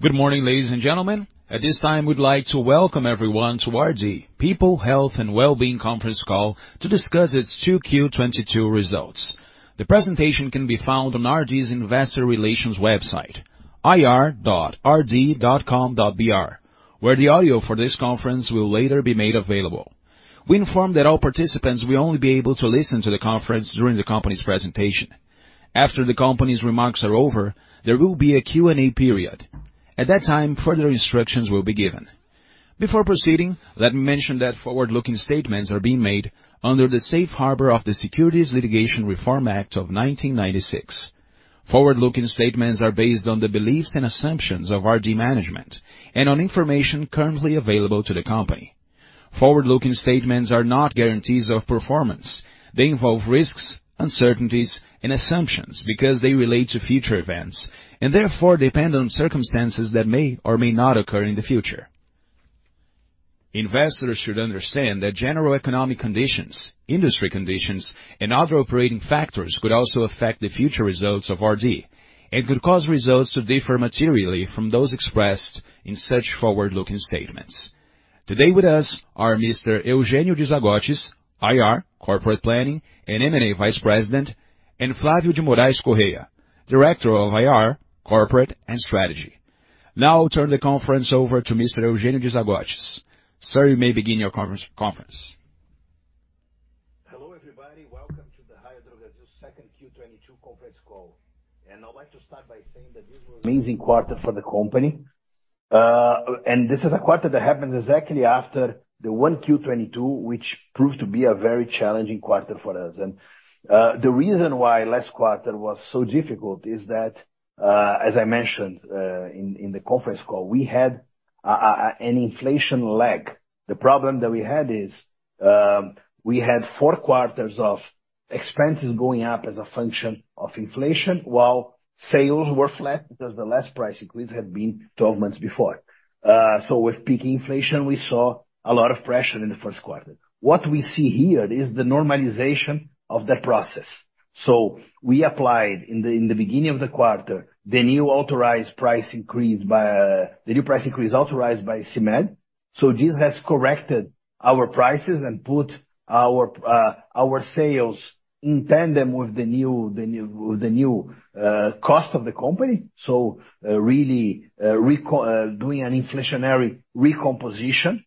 Good morning, ladies and gentlemen. At this time, we'd like to welcome everyone to RD People, Health and Wellbeing conference call to discuss its 2Q 2022 results. The presentation can be found on RD's Investor Relations website, ir.rd.com.br, where the audio for this conference will later be made available. We inform that all participants will only be able to listen to the conference during the company's presentation. After the company's remarks are over, there will be a Q&A period. At that time, further instructions will be given. Before proceeding, let me mention that forward-looking statements are being made under the Safe Harbor of the Private Securities Litigation Reform Act of 1995. Forward-looking statements are based on the beliefs and assumptions of RD management and on information currently available to the company. Forward-looking statements are not guarantees of performance. They involve risks, uncertainties, and assumptions because they relate to future events and therefore depend on circumstances that may or may not occur in the future. Investors should understand that general economic conditions, industry conditions, and other operating factors could also affect the future results of RD and could cause results to differ materially from those expressed in such forward-looking statements. Today with us are Mr. Eugenio de Zagottis, IR, Corporate Planning, and M&A Vice President, and Flavio de Moraes Correia, Director of IR, Corporate, and Strategy. Now I'll turn the conference over to Mr. Eugenio de Zagottis. Sir, you may begin your conference. Hello, everybody. Welcome to the Raia Drogasil second Q 2022 conference call. I'd like to start by saying that this was amazing quarter for the company. This is a quarter that happens exactly after the 1Q 2022, which proved to be a very challenging quarter for us. The reason why last quarter was so difficult is that, as I mentioned, in the conference call, we had an inflation lag. The problem that we had is, we had four quarters of expenses going up as a function of inflation while sales were flat because the last price increase had been 12 months before. With peak inflation, we saw a lot of pressure in the first quarter. What we see here is the normalization of that process. We applied in the beginning of the quarter the new price increase authorized by CMED. This has corrected our prices and put our sales in tandem with the new cost of the company. Really doing an inflationary recomposition.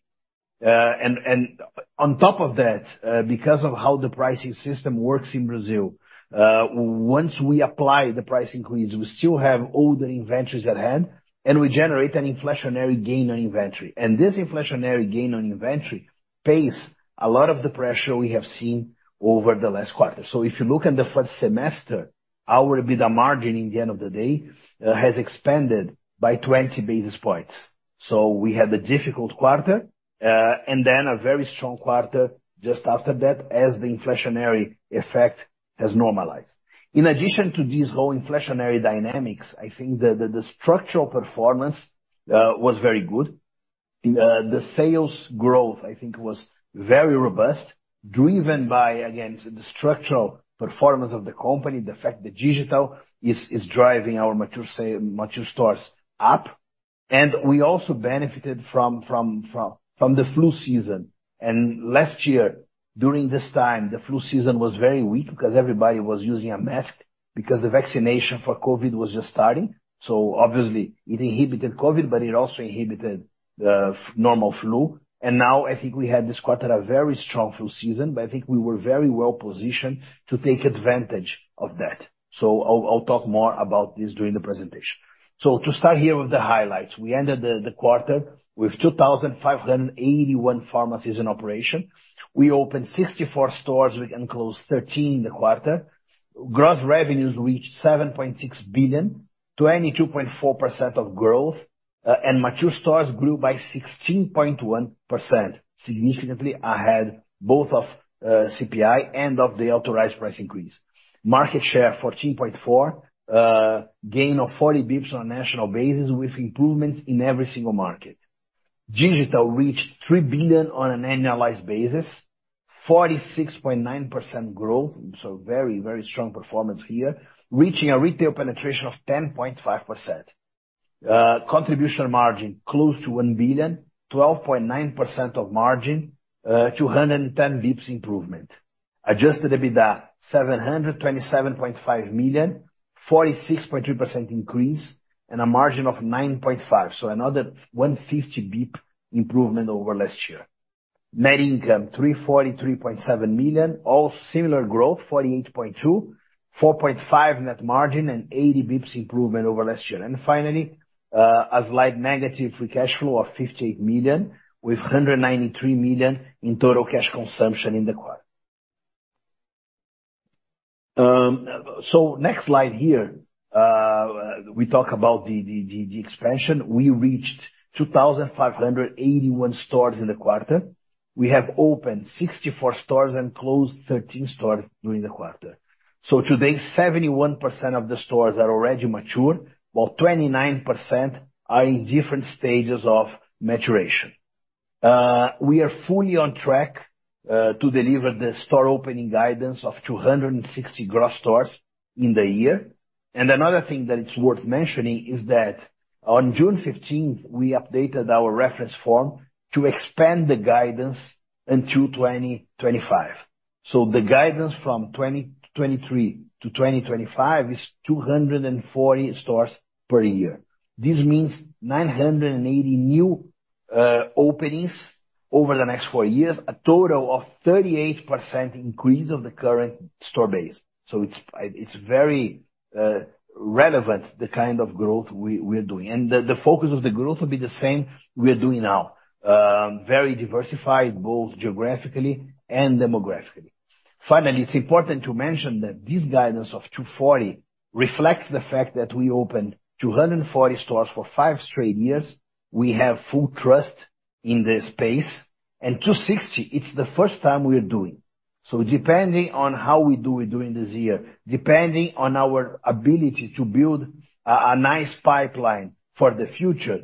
On top of that, because of how the pricing system works in Brazil, once we apply the price increase, we still have older inventories at hand, and we generate an inflationary gain on inventory. This inflationary gain on inventory pays a lot of the pressure we have seen over the last quarter. If you look at the first semester, our EBITDA margin in the end of the day has expanded by 20 basis points. We had a difficult quarter, and then a very strong quarter just after that as the inflationary effect has normalized. In addition to these whole inflationary dynamics, I think the structural performance was very good. The sales growth, I think was very robust, driven by, again, the structural performance of the company, the fact that digital is driving our mature stores up. We also benefited from the flu season. Last year, during this time, the flu season was very weak because everybody was using a mask because the vaccination for COVID was just starting. Obviously it inhibited COVID, but it also inhibited normal flu. Now I think we had this quarter a very strong flu season, but I think we were very well positioned to take advantage of that. I'll talk more about this during the presentation. To start here with the highlights. We ended the quarter with 2,581 pharmacies in operation. We opened 64 stores. We then closed 13 in the quarter. Gross revenues reached 7.6 billion, 22.4% growth, and mature stores grew by 16.1%, significantly ahead both of CPI and of the authorized price increase. Market share, 14.4%, gain of 40 basis points on a national basis with improvements in every single market. Digital reached 3 billion on an annualized basis, 46.9% growth. Very strong performance here, reaching a retail penetration of 10.5%. Contribution margin close to 1 billion, 12.9% margin, 210 basis points improvement. Adjusted EBITDA, 727.5 million, 46.2% increase and a margin of 9.5%, another 150 basis points improvement over last year. Net income, 343.7 million, 48.2% growth. 4.5% net margin and 80 basis points improvement over last year. A slight negative free cash flow of 58 million with 193 million in total cash consumption in the quarter. Next slide here, we talk about the expansion. We reached 2,581 stores in the quarter. We have opened 64 stores and closed 13 stores during the quarter. Today, 71% of the stores are already mature, while 29% are in different stages of maturation. We are fully on track to deliver the store opening guidance of 260 gross stores in the year. Another thing that it's worth mentioning is that on June 15th, we updated our reference form to expand the guidance into 2025. The guidance from 2023 to 2025 is 240 stores per year. This means 980 new openings over the next four years, a total of 38% increase of the current store base. It's very relevant, the kind of growth we're doing. The focus of the growth will be the same we are doing now. Very diversified, both geographically and demographically. Finally, it's important to mention that this guidance of 240 reflects the fact that we opened 240 stores for five straight years. We have full trust in the space. 260, it's the first time we are doing. Depending on how we do it during this year, depending on our ability to build a nice pipeline for the future,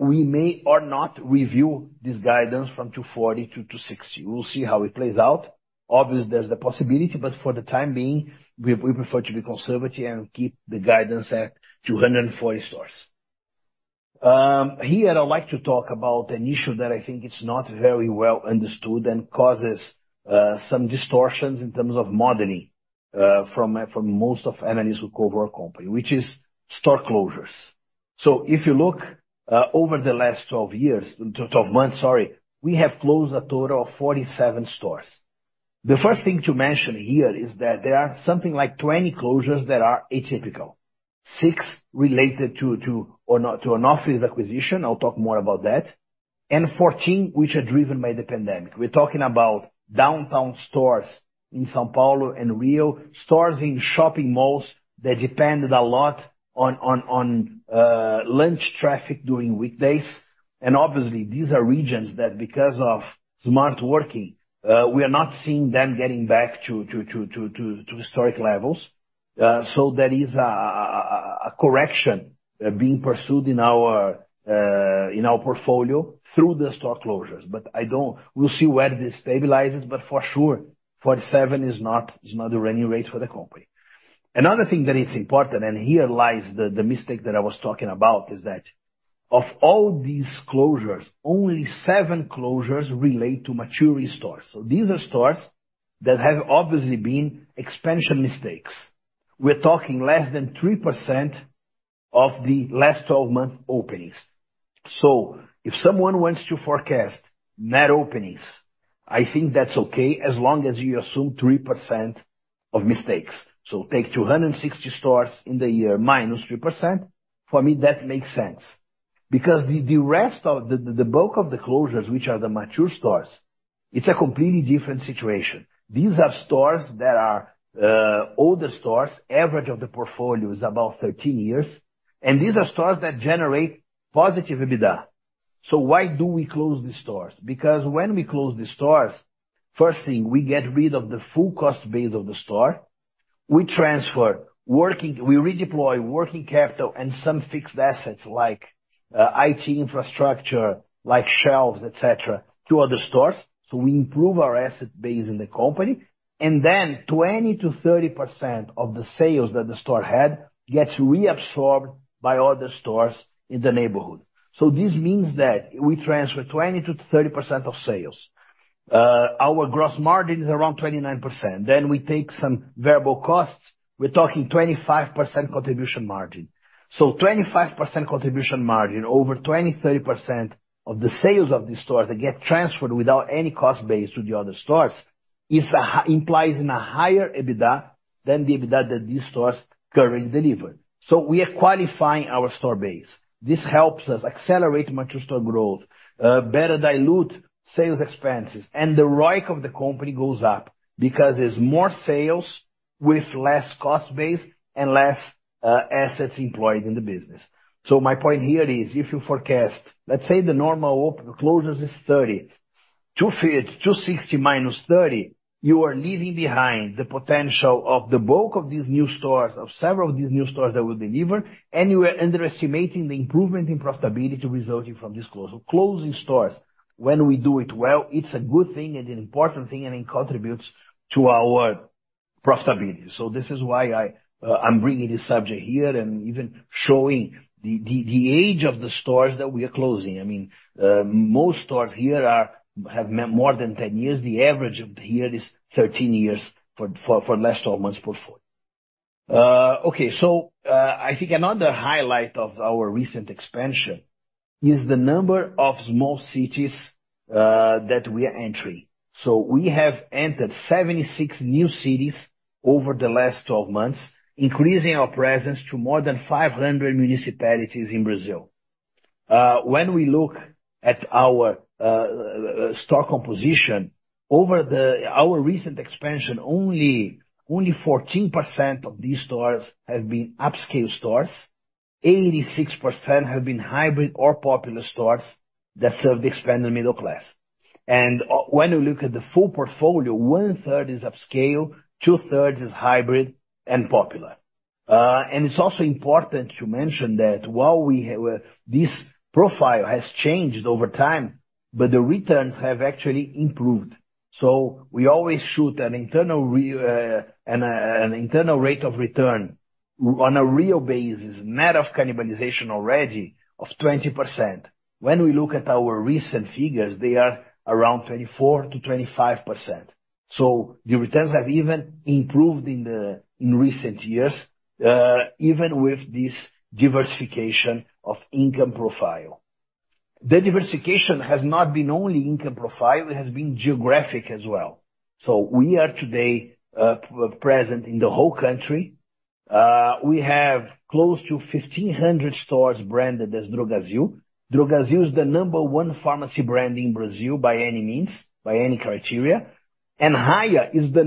we may or not review this guidance from 240 to 260. We'll see how it plays out. Obviously, there's the possibility, but for the time being, we prefer to be conservative and keep the guidance at 240 stores. Here I'd like to talk about an issue that I think it's not very well understood and causes some distortions in terms of modeling from most of analysts who cover our company, which is store closures. If you look over the last 12 months, sorry, we have closed a total of 47 stores. The first thing to mention here is that there are something like 20 closures that are atypical. six related to Onofre's acquisition, I'll talk more about that, and 14 which are driven by the pandemic. We're talking about downtown stores in São Paulo and Rio, stores in shopping malls that depended a lot on lunch traffic during weekdays. Obviously, these are regions that because of smart working we are not seeing them getting back to historic levels. There is a correction being pursued in our portfolio through the store closures. I don't. We'll see where this stabilizes, but for sure, 47 is not the running rate for the company. Another thing that is important, and here lies the mistake that I was talking about, is that of all these closures, only seven closures relate to maturing stores. These are stores that have obviously been expansion mistakes. We're talking less than 3% of the last 12-month openings. If someone wants to forecast net openings, I think that's okay as long as you assume 3% of mistakes. Take 260 stores in the year -3%, for me, that makes sense. Because the rest of the bulk of the closures, which are the mature stores, it's a completely different situation. These are stores that are older stores. Average of the portfolio is about 13 years. These are stores that generate positive EBITDA. Why do we close the stores? Because when we close the stores, first thing, we get rid of the full cost base of the store. We redeploy working capital and some fixed assets like IT infrastructure, like shelves, et cetera, to other stores, so we improve our asset base in the company. Then 20%-30% of the sales that the store had gets reabsorbed by other stores in the neighborhood. This means that we transfer 20%-30% of sales. Our gross margin is around 29%. We take some variable costs. We're talking 25% contribution margin. 25% contribution margin over 20%-30% of the sales of the store that get transferred without any cost base to the other stores implies a higher EBITDA than the EBITDA that these stores currently delivered. We are qualifying our store base. This helps us accelerate mature store growth, better dilute sales expenses, and the ROIC of the company goes up because there's more sales with less cost base and less assets employed in the business. My point here is if you forecast, let's say the normal openings-closures is 30, 260 - 30, you are leaving behind the potential of the bulk of these new stores, of several of these new stores that will deliver, and you are underestimating the improvement in profitability resulting from this closure. Closing stores when we do it well, it's a good thing and an important thing, and it contributes to our profitability. This is why I'm bringing this subject here and even showing the age of the stores that we are closing. Most stores here have more than 10 years. The average of here is 13 years for last 12 months portfolio. I think another highlight of our recent expansion is the number of small cities that we are entering. We have entered 76 new cities over the last 12 months, increasing our presence to more than 500 municipalities in Brazil. When we look at our store composition over our recent expansion, only 14% of these stores have been upscale stores. 86% have been hybrid or popular stores that serve the expanding middle class. When you look at the full portfolio, 1/3 is upscale, 2/3 is hybrid and popular. It's also important to mention that while this profile has changed over time, the returns have actually improved. We always shoot for an internal rate of return on a real basis, net of cannibalization already of 20%. When we look at our recent figures, they are around 24%-25%. The returns have even improved in recent years, even with this diversification of income profile. The diversification has not been only income profile, it has been geographic as well. We are today present in the whole country. We have close to 1,500 stores branded as Drogasil. Drogasil is the number one pharmacy brand in Brazil by any means, by any criteria. Raia is the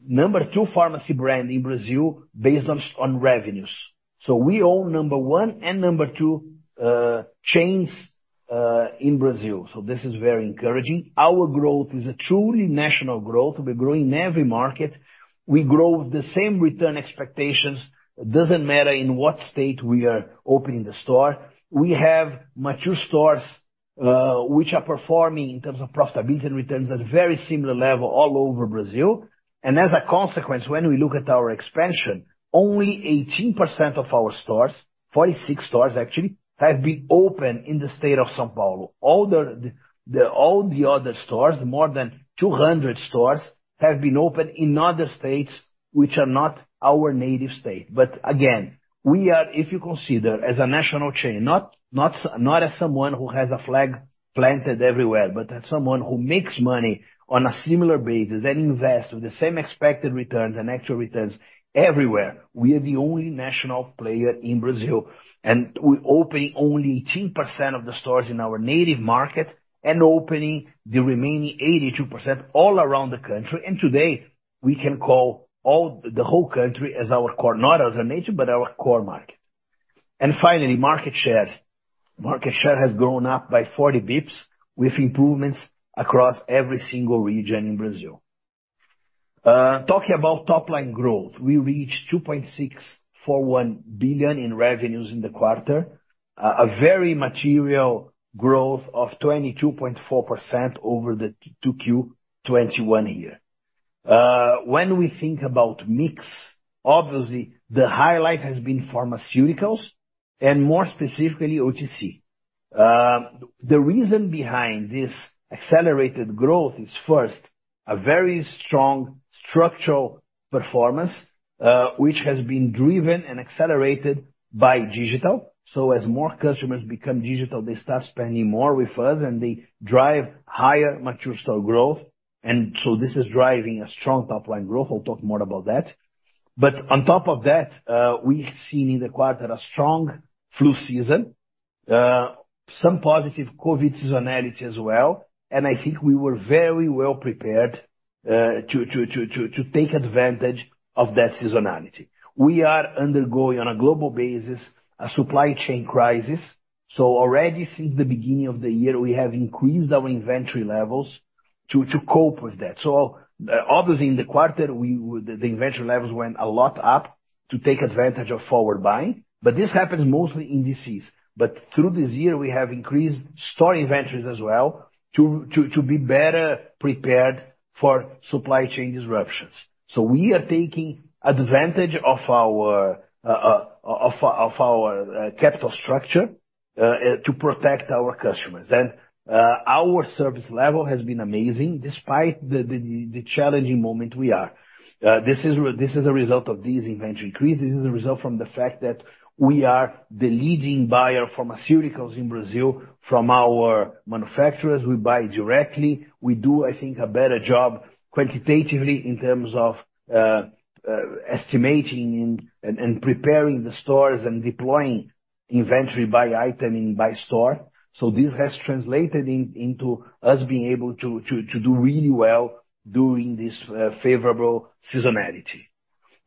number two pharmacy brand in Brazil based on revenues. We own number one and number two chains in Brazil. This is very encouraging. Our growth is a truly national growth. We're growing in every market. We grow the same return expectations, it doesn't matter in what state we are opening the store. We have mature stores, which are performing in terms of profitability and returns at a very similar level all over Brazil. As a consequence, when we look at our expansion, only 18% of our stores, 46 stores actually, have been opened in the state of São Paulo. All the other stores, more than 200 stores have been opened in other states which are not our native state. Again, if you consider as a national chain, not as someone who has a flag planted everywhere, but as someone who makes money on a similar basis, then invest with the same expected returns and actual returns everywhere, we are the only national player in Brazil, and we're opening only 18% of the stores in our native market and opening the remaining 82% all around the country. Today, we can call all the whole country as our core, not as a native, but our core market. Finally, market shares. Market share has grown up by 40 basis points with improvements across every single region in Brazil. Talking about top-line growth. We reached 2.641 billion in revenues in the quarter, a very material growth of 22.4% over the 2Q 2021 year. When we think about mix, obviously the highlight has been pharmaceuticals and more specifically OTC. The reason behind this accelerated growth is first, a very strong structural performance, which has been driven and accelerated by digital. As more customers become digital, they start spending more with us and they drive higher mature store growth. This is driving a strong top line growth. I'll talk more about that. On top of that, we've seen in the quarter a strong flu season, some positive COVID seasonality as well. I think we were very well prepared to take advantage of that seasonality. We are undergoing, on a global basis, a supply chain crisis. Already since the beginning of the year, we have increased our inventory levels to cope with that. Obviously in the quarter, the inventory levels went a lot up to take advantage of forward buying, but this happens mostly in these. Through this year, we have increased store inventories as well to be better prepared for supply chain disruptions. We are taking advantage of our capital structure to protect our customers. Our service level has been amazing despite the challenging moment we are. This is a result of these inventory increases. This is a result from the fact that we are the leading buyer of pharmaceuticals in Brazil from our manufacturers. We buy directly. We do, I think, a better job quantitatively in terms of estimating and preparing the stores and deploying inventory by item and by store. This has translated into us being able to do really well during this favorable seasonality.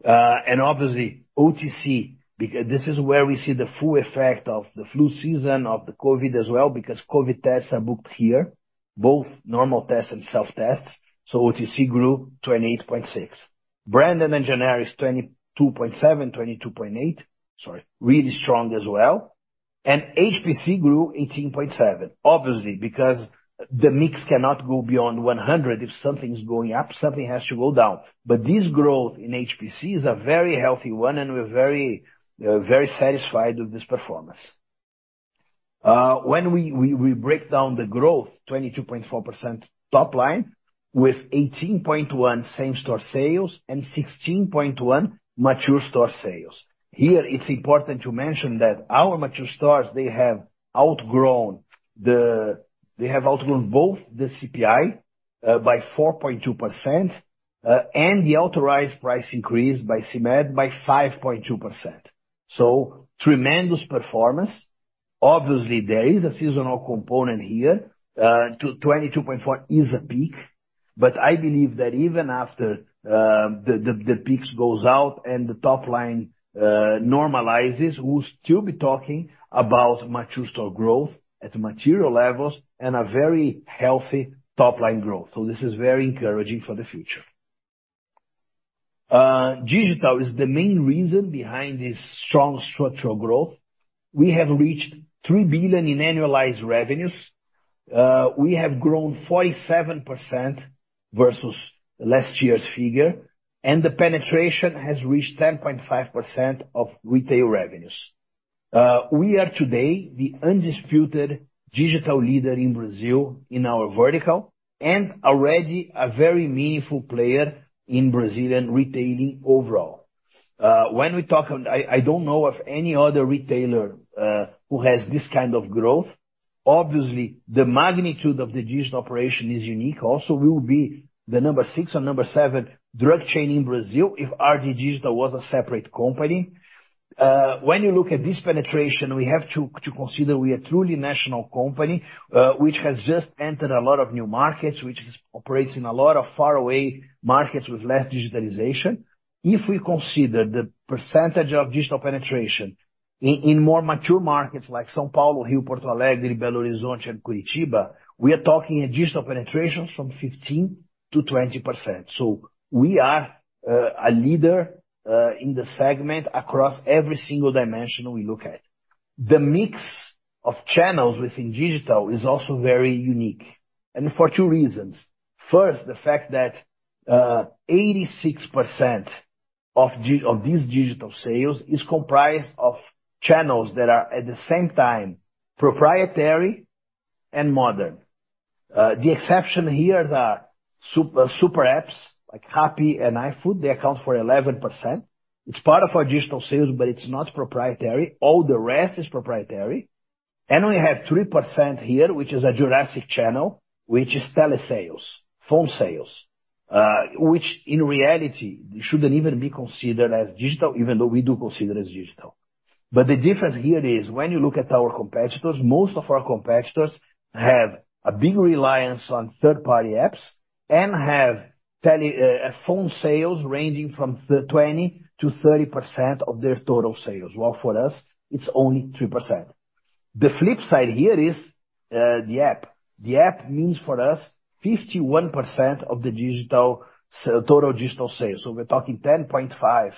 Obviously, OTC, this is where we see the full effect of the flu season, of the COVID as well, because COVID tests are booked here, both normal tests and self-tests. OTC grew to 28.6%. Brand and generic is 22.7%, 22.8%, sorry, really strong as well. HPC grew 18.7%, obviously, because the mix cannot go beyond 100%. If something's going up, something has to go down. This growth in HPC is a very healthy one, and we're very, very satisfied with this performance. When we break down the growth, 22.4% top-line with 18.1% same store sales and 16.1% mature store sales. Here it's important to mention that our mature stores, they have outgrown both the CPI by 4.2%, and the authorized price increase by CMED by 5.2%. Tremendous performance. Obviously, there is a seasonal component here to 22.4% is a peak. I believe that even after the peaks goes out and the top-line normalizes, we'll still be talking about mature store growth at material levels and a very healthy top-line growth. This is very encouraging for the future. Digital is the main reason behind this strong structural growth. We have reached 3 billion in annualized revenues. We have grown 47% versus last year's figure, and the penetration has reached 10.5% of retail revenues. We are today the undisputed digital leader in Brazil in our vertical and already a very meaningful player in Brazilian retailing overall. I don't know of any other retailer who has this kind of growth. Obviously, the magnitude of the digital operation is unique. Also, we will be the number six or number seven drug chain in Brazil if RD Digital was a separate company. When you look at this penetration, we have to consider we are truly a national company, which has just entered a lot of new markets, which operates in a lot of faraway markets with less digitalization. If we consider the percentage of digital penetration in more mature markets like São Paulo, Rio, Porto Alegre, Belo Horizonte, and Curitiba, we are talking a digital penetration from 15%-20%. We are a leader in the segment across every single dimension we look at. The mix of channels within digital is also very unique, and for two reasons. First, the fact that 86% of these digital sales is comprised of channels that are, at the same time, proprietary and modern. The exception here is our super apps like Rappi and iFood. They account for 11%. It's part of our digital sales, but it's not proprietary. All the rest is proprietary. We have 3% here, which is a Jurassic channel, which is telesales, phone sales, which in reality shouldn't even be considered as digital even though we do consider it as digital. The difference here is when you look at our competitors, most of our competitors have a big reliance on third-party apps and have tele phone sales ranging from 20%-30% of their total sales, while for us it's only 3%. The flip side here is the app. The app means for us 51% of the digital total digital sales. We're talking 10.5%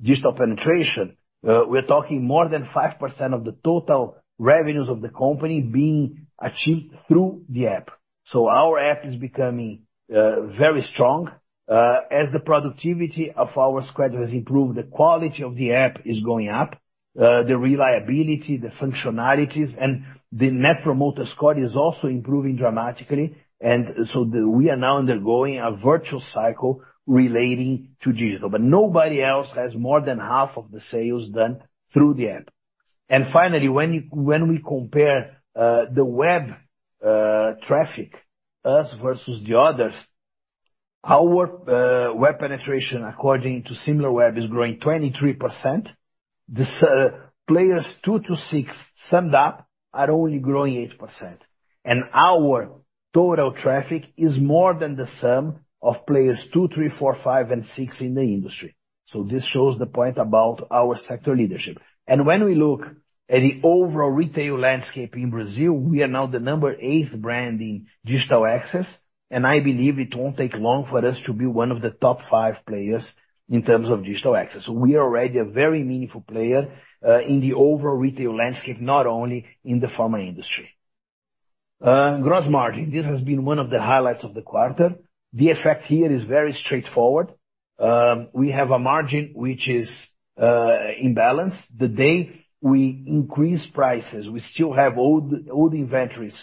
digital penetration. We're talking more than 5% of the total revenues of the company being achieved through the app. Our app is becoming very strong. As the productivity of our squad has improved, the quality of the app is going up, the reliability, the functionalities, and the net promoter score is also improving dramatically. We are now undergoing a virtuous cycle relating to digital. Nobody else has more than half of the sales done through the app. Finally, when we compare the web traffic, us versus the others, our web penetration, according to Similarweb, is growing 23%. The players two to six summed up are only growing 8%. Our total traffic is more than the sum of players two, three, four, five, and six in the industry. This shows the point about our sector leadership. When we look at the overall retail landscape in Brazil, we are now the eighth brand in digital access, and I believe it won't take long for us to be one of the top five players in terms of digital access. We are already a very meaningful player in the overall retail landscape, not only in the pharma industry. Gross margin. This has been one of the highlights of the quarter. The effect here is very straightforward. We have a margin which is imbalanced. The day we increase prices, we still have old inventories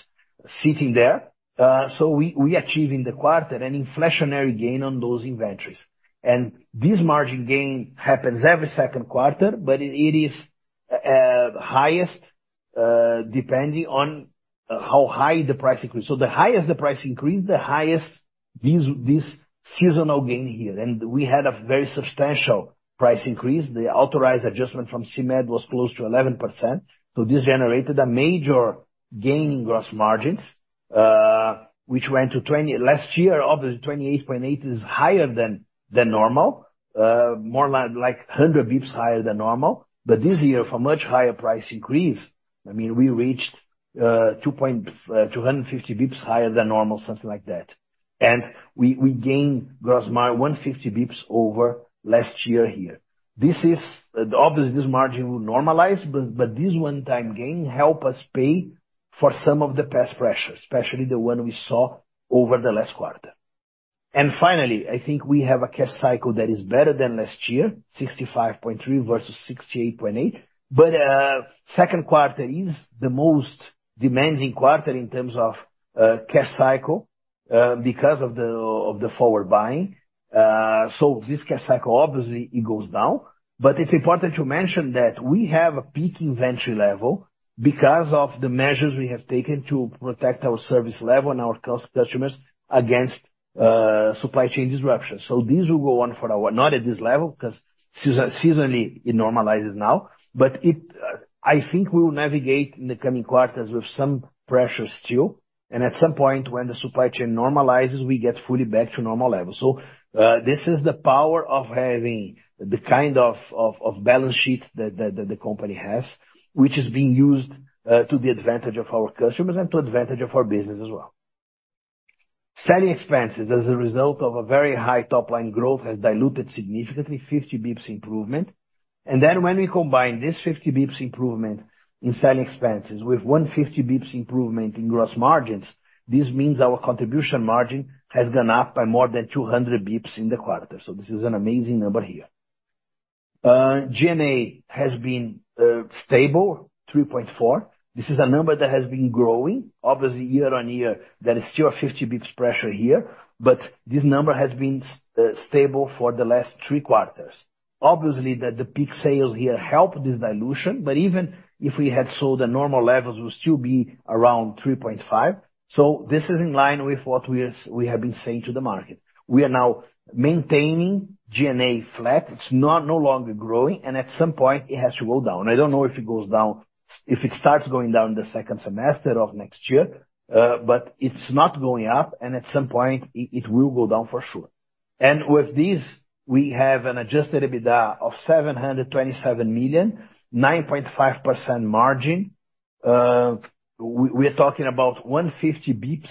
sitting there. We achieve in the quarter an inflationary gain on those inventories. This margin gain happens every second quarter, but it is highest depending on how high the price increase. The higher the price increase, the higher this seasonal gain here. We had a very substantial price increase. The authorized adjustment from CMED was close to 11%, so this generated a major gain in gross margins, which went to 20%. Last year, obviously, 28.8% is higher than normal, more like 100 basis points higher than normal. This year, for much higher price increase, I mean, we reached 250 basis points higher than normal, something like that. We gained 150 basis points over last year here. Obviously, this margin will normalize, but this one-time gain help us pay for some of the past pressures, especially the one we saw over the last quarter. Finally, I think we have a cash cycle that is better than last year, 65.3 versus 68.8. Second quarter is the most demanding quarter in terms of cash cycle because of the forward buying. This cash cycle obviously goes down. It's important to mention that we have a peak inventory level because of the measures we have taken to protect our service level and our customers against supply chain disruptions. This will go on for a while, not at this level, 'cause seasonally it normalizes now, but it, I think we will navigate in the coming quarters with some pressures too, and at some point when the supply chain normalizes, we get fully back to normal levels. This is the power of having the kind of balance sheet that the company has, which is being used to the advantage of our customers and to advantage of our business as well. Selling expenses as a result of a very high top-line growth has diluted significantly 50 basis points improvement. When we combine this 50 basis points improvement in selling expenses with 150 basis points improvement in gross margins, this means our contribution margin has gone up by more than 200 basis points in the quarter. This is an amazing number here. G&A has been stable, 3.4%. This is a number that has been growing. Obviously, year-on-year, there is still 50 basis points pressure here, but this number has been stable for the last three quarters. Obviously, that the peak sales here helped this dilution, but even if we had sold at normal levels, we'll still be around 3.5%. This is in line with what we have been saying to the market. We are now maintaining G&A flat. It's not no longer growing, and at some point it has to go down. I don't know if it goes down, if it starts going down in the second semester of next year, but it's not going up, and at some point it will go down for sure. With this, we have an adjusted EBITDA of 727 million, 9.5% margin. We're talking about 150 basis points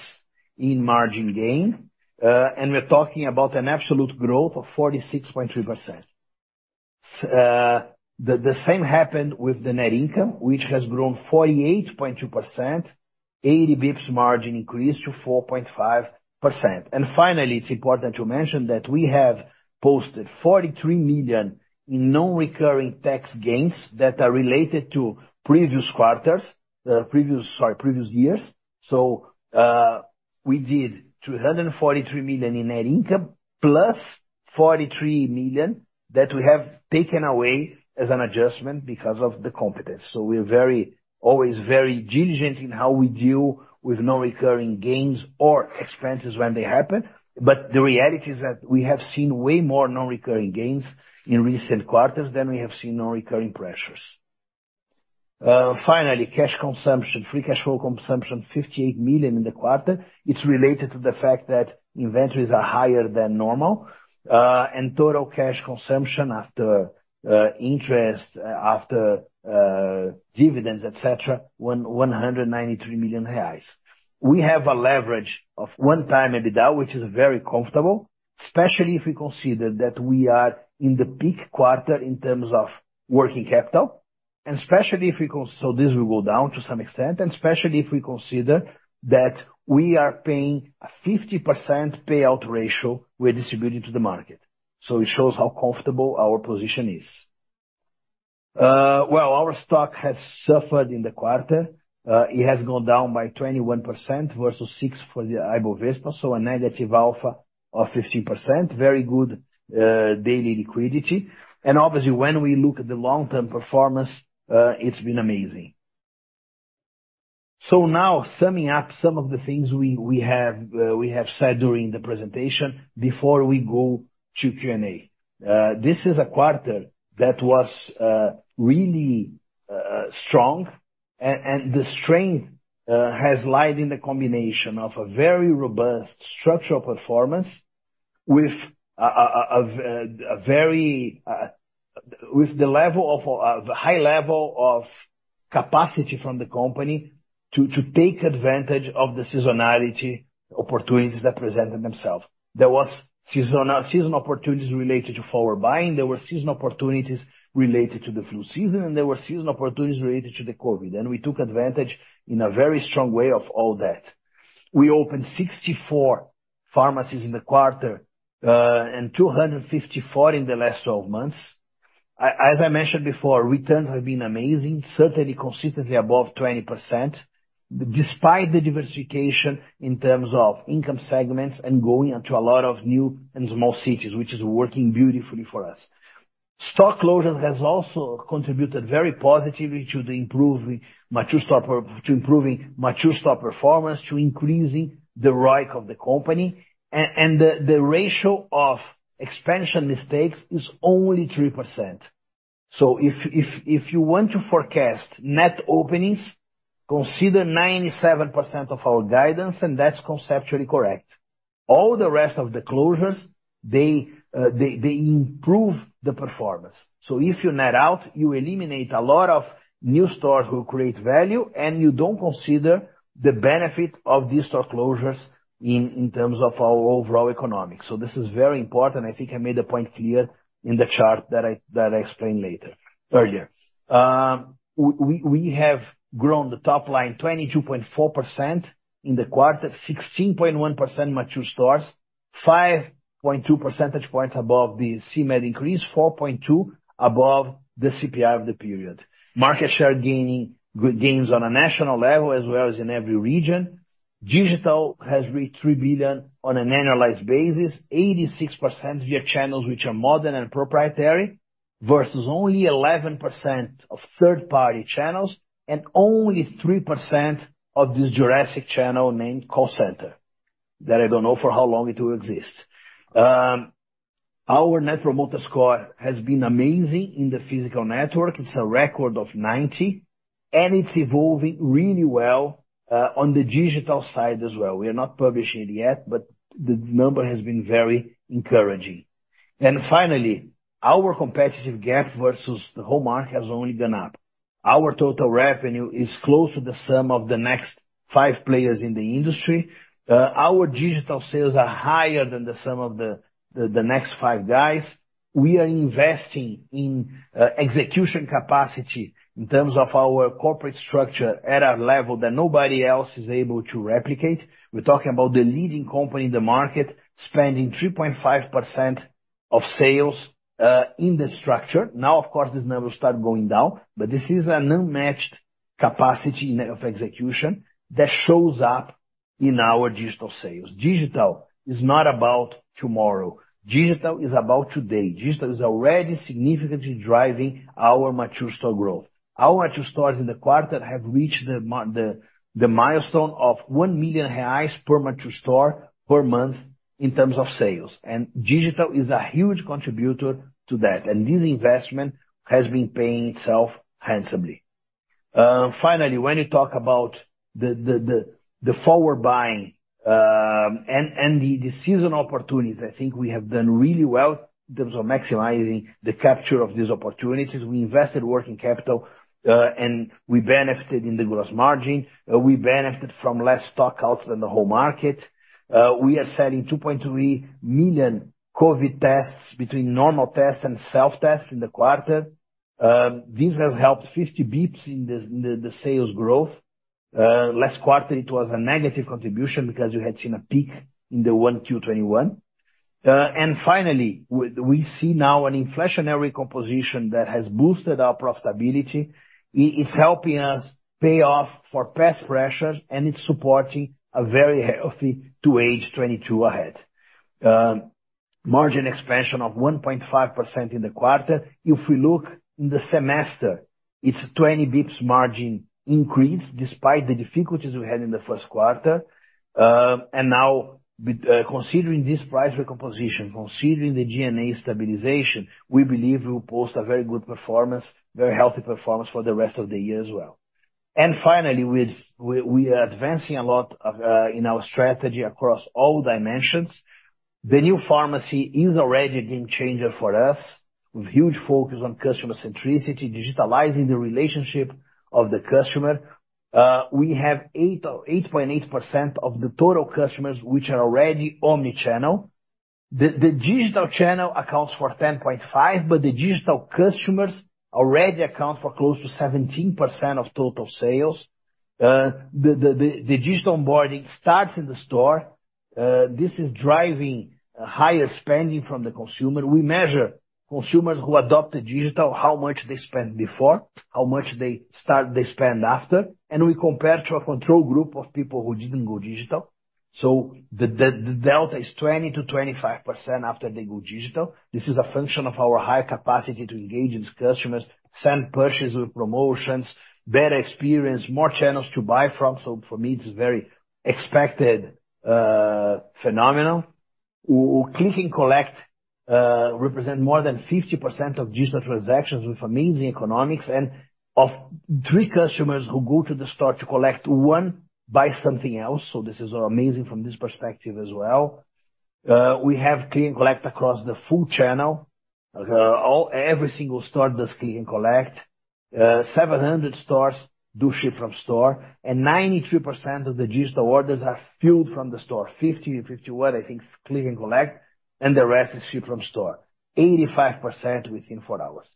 in margin gain, and we're talking about an absolute growth of 46.2%. The same happened with the net income, which has grown 48.2%, 80 basis points margin increase to 4.5%. Finally, it's important to mention that we have posted 43 million in non-recurring tax gains that are related to previous years. We did 343 million in net income plus 43 million that we have taken away as an adjustment because of the competence. We're very, always very diligent in how we deal with non-recurring gains or expenses when they happen. The reality is that we have seen way more non-recurring gains in recent quarters than we have seen non-recurring pressures. Finally, cash consumption, free cash flow consumption, 58 million in the quarter. It's related to the fact that inventories are higher than normal, and total cash consumption after interest, after dividends, et cetera, 193 million reais. We have a leverage of 1x EBITDA, which is very comfortable, especially if we consider that we are in the peak quarter in terms of working capital, so this will go down to some extent, and especially if we consider that we are paying a 50% payout ratio we're distributing to the market. It shows how comfortable our position is. Well, our stock has suffered in the quarter. It has gone down by 21% versus 6% for the Ibovespa, so a negative alpha of 15%. Very good daily liquidity. Obviously, when we look at the long-term performance, it's been amazing. Now summing up some of the things we have said during the presentation before we go to Q&A. This is a quarter that was really strong and the strength has lain in the combination of a very robust structural performance with a high level of capacity from the company to take advantage of the seasonal opportunities that presented themselves. There were seasonal opportunities related to forward buying. There were seasonal opportunities related to the flu season, and there were seasonal opportunities related to the COVID, and we took advantage in a very strong way of all that. We opened 64 pharmacies in the quarter and 254 in the last 12 months. As I mentioned before, returns have been amazing, certainly consistently above 20%, despite the diversification in terms of income segments and going into a lot of new and small cities, which is working beautifully for us. Store closures has also contributed very positively to the improving mature store performance, to increasing the ROIC of the company. And the ratio of expansion mistakes is only 3%. If you want to forecast net openings, consider 97% of our guidance, and that's conceptually correct. All the rest of the closures, they improve the performance. If you net out, you eliminate a lot of new stores who create value and you don't consider the benefit of these store closures in terms of our overall economics. This is very important. I think I made the point clear in the chart that I explained earlier. We have grown the top line 22.4% in the quarter, 16.1% mature stores, 5.2 percentage points above the CMED increase, 4.2 above the CPI of the period. Market share gaining good gains on a national level as well as in every region. Digital has reached 3 billion on an annualized basis, 86% via channels which are modern and proprietary versus only 11% of third-party channels and only 3% of this archaic channel named call center that I don't know for how long it will exist. Our net promoter score has been amazing in the physical network. It's a record of 90, and it's evolving really well on the digital side as well. We are not publishing it yet, but the number has been very encouraging. Finally, our competitive gap versus the whole market has only gone up. Our total revenue is close to the sum of the next five players in the industry. Our digital sales are higher than the sum of the next five guys. We are investing in execution capacity in terms of our corporate structure at a level that nobody else is able to replicate. We're talking about the leading company in the market spending 3.5% of sales in the structure. Now, of course, this number will start going down, but this is an unmatched capacity of execution that shows up in our digital sales. Digital is not about tomorrow. Digital is about today. Digital is already significantly driving our mature store growth. Our mature stores in the quarter have reached the milestone of 1 million reais per mature store per month in terms of sales. Digital is a huge contributor to that, and this investment has been paying itself handsomely. Finally, when you talk about the forward buying and the season opportunities, I think we have done really well in terms of maximizing the capture of these opportunities. We invested working capital and we benefited in the gross margin. We benefited from less stock out than the whole market. We are selling 2.3 million COVID tests between normal tests and self-tests in the quarter. This has helped 50 basis points in the sales growth. Last quarter it was a negative contribution because you had seen a peak in 1Q 2021. Finally, we see now an inflationary composition that has boosted our profitability. It's helping us pay off for past pressures, and it's supporting a very healthy 2H 2022 ahead. Margin expansion of 1.5% in the quarter. If we look in the semester, it's 20 basis points margin increase despite the difficulties we had in the first quarter. Now with considering this price recomposition, considering the G&A stabilization, we believe we'll post a very good performance, very healthy performance for the rest of the year as well. Finally, we are advancing a lot in our strategy across all dimensions. The new pharmacy is already a game changer for us, with huge focus on customer centricity, digitalizing the relationship of the customer. We have 8% or 8.8% of the total customers which are already omni-channel. The digital channel accounts for 10.5%, but the digital customers already account for close to 17% of total sales. The digital onboarding starts in the store. This is driving higher spending from the consumer. We measure consumers who adopted digital, how much they spent before, how much they spend after, and we compare to a control group of people who didn't go digital. The delta is 20%-25% after they go digital. This is a function of our high capacity to engage with customers, send purchases with promotions, better experience, more channels to buy from. For me, it's a very expected phenomenon. Click and collect represent more than 50% of digital transactions with amazing economics. Of three customers who go to the store to collect, one buys something else. This is amazing from this perspective as well. We have click and collect across the full channel. Every single store does click and collect. 700 stores do ship from store, and 93% of the digital orders are filled from the store. 50%-51%, I think, click and collect, and the rest is ship from store. 85% within four hours.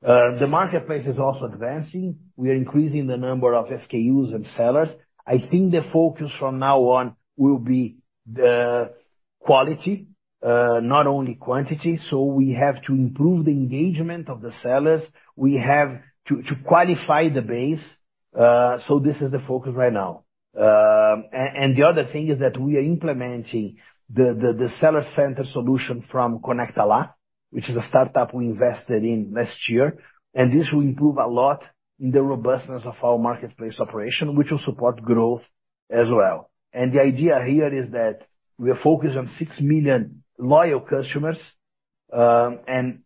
The marketplace is also advancing. We are increasing the number of SKUs and sellers. I think the focus from now on will be the quality, not only quantity. We have to improve the engagement of the sellers. We have to qualify the base. This is the focus right now. The other thing is that we are implementing the seller center solution from Conecta Lá, which is a startup we invested in last year. This will improve a lot in the robustness of our marketplace operation, which will support growth as well. The idea here is that we are focused on 6 million loyal customers, and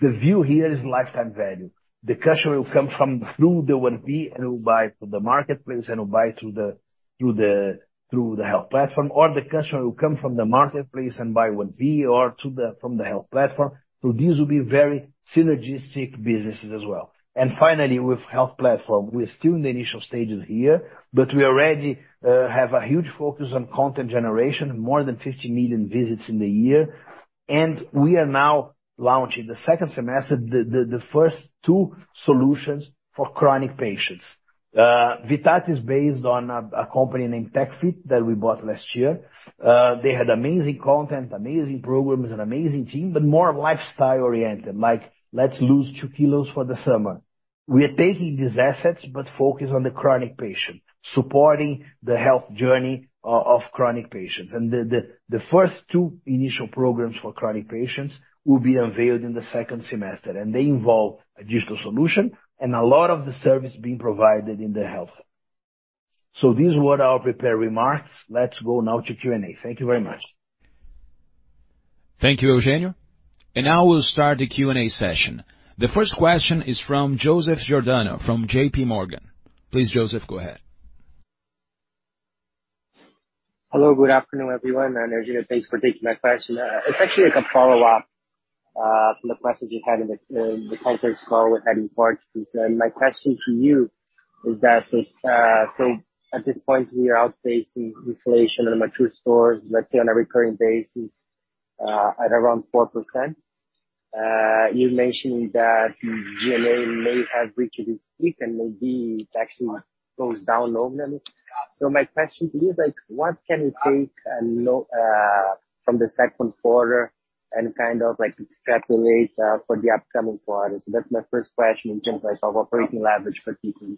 the view here is lifetime value. The customer will come through the 1P and will buy from the marketplace and will buy through the health platform, or the customer will come from the marketplace and buy 1P or from the health platform. These will be very synergistic businesses as well. Finally, with health platform, we're still in the initial stages here, but we already have a huge focus on content generation, more than 50 million visits in the year. We are now launching in the second semester the first two solutions for chronic patients. Vitat is based on a company named TechFit that we bought last year. They had amazing content, amazing programs, an amazing team, but more lifestyle-oriented, like let's lose two kilos for the summer. We are taking these assets but focus on the chronic patient, supporting the health journey of chronic patients. The first two initial programs for chronic patients will be unveiled in the second semester, and they involve a digital solution and a lot of the service being provided in the health hub. These were our prepared remarks. Let's go now to Q&A. Thank you very much. Thank you, Eugenio. Now we'll start the Q&A session. The first question is from Joseph Giordano from J.P. Morgan. Please, Joseph, go ahead. Hello, good afternoon, everyone. Eugenio, thanks for taking my question. It's actually like a follow-up from the questions you had in the conference call with Eddie Borges. My question to you is that with. So at this point, we are outpacing inflation in the mature stores, let's say on a recurring basis at around 4%. You mentioned that G&A may have reached its peak and maybe it actually goes down over time. My question to you is like, what can we take from the second quarter and kind of like extrapolate for the upcoming quarters. That's my first question in terms, like, of operating leverage, particularly.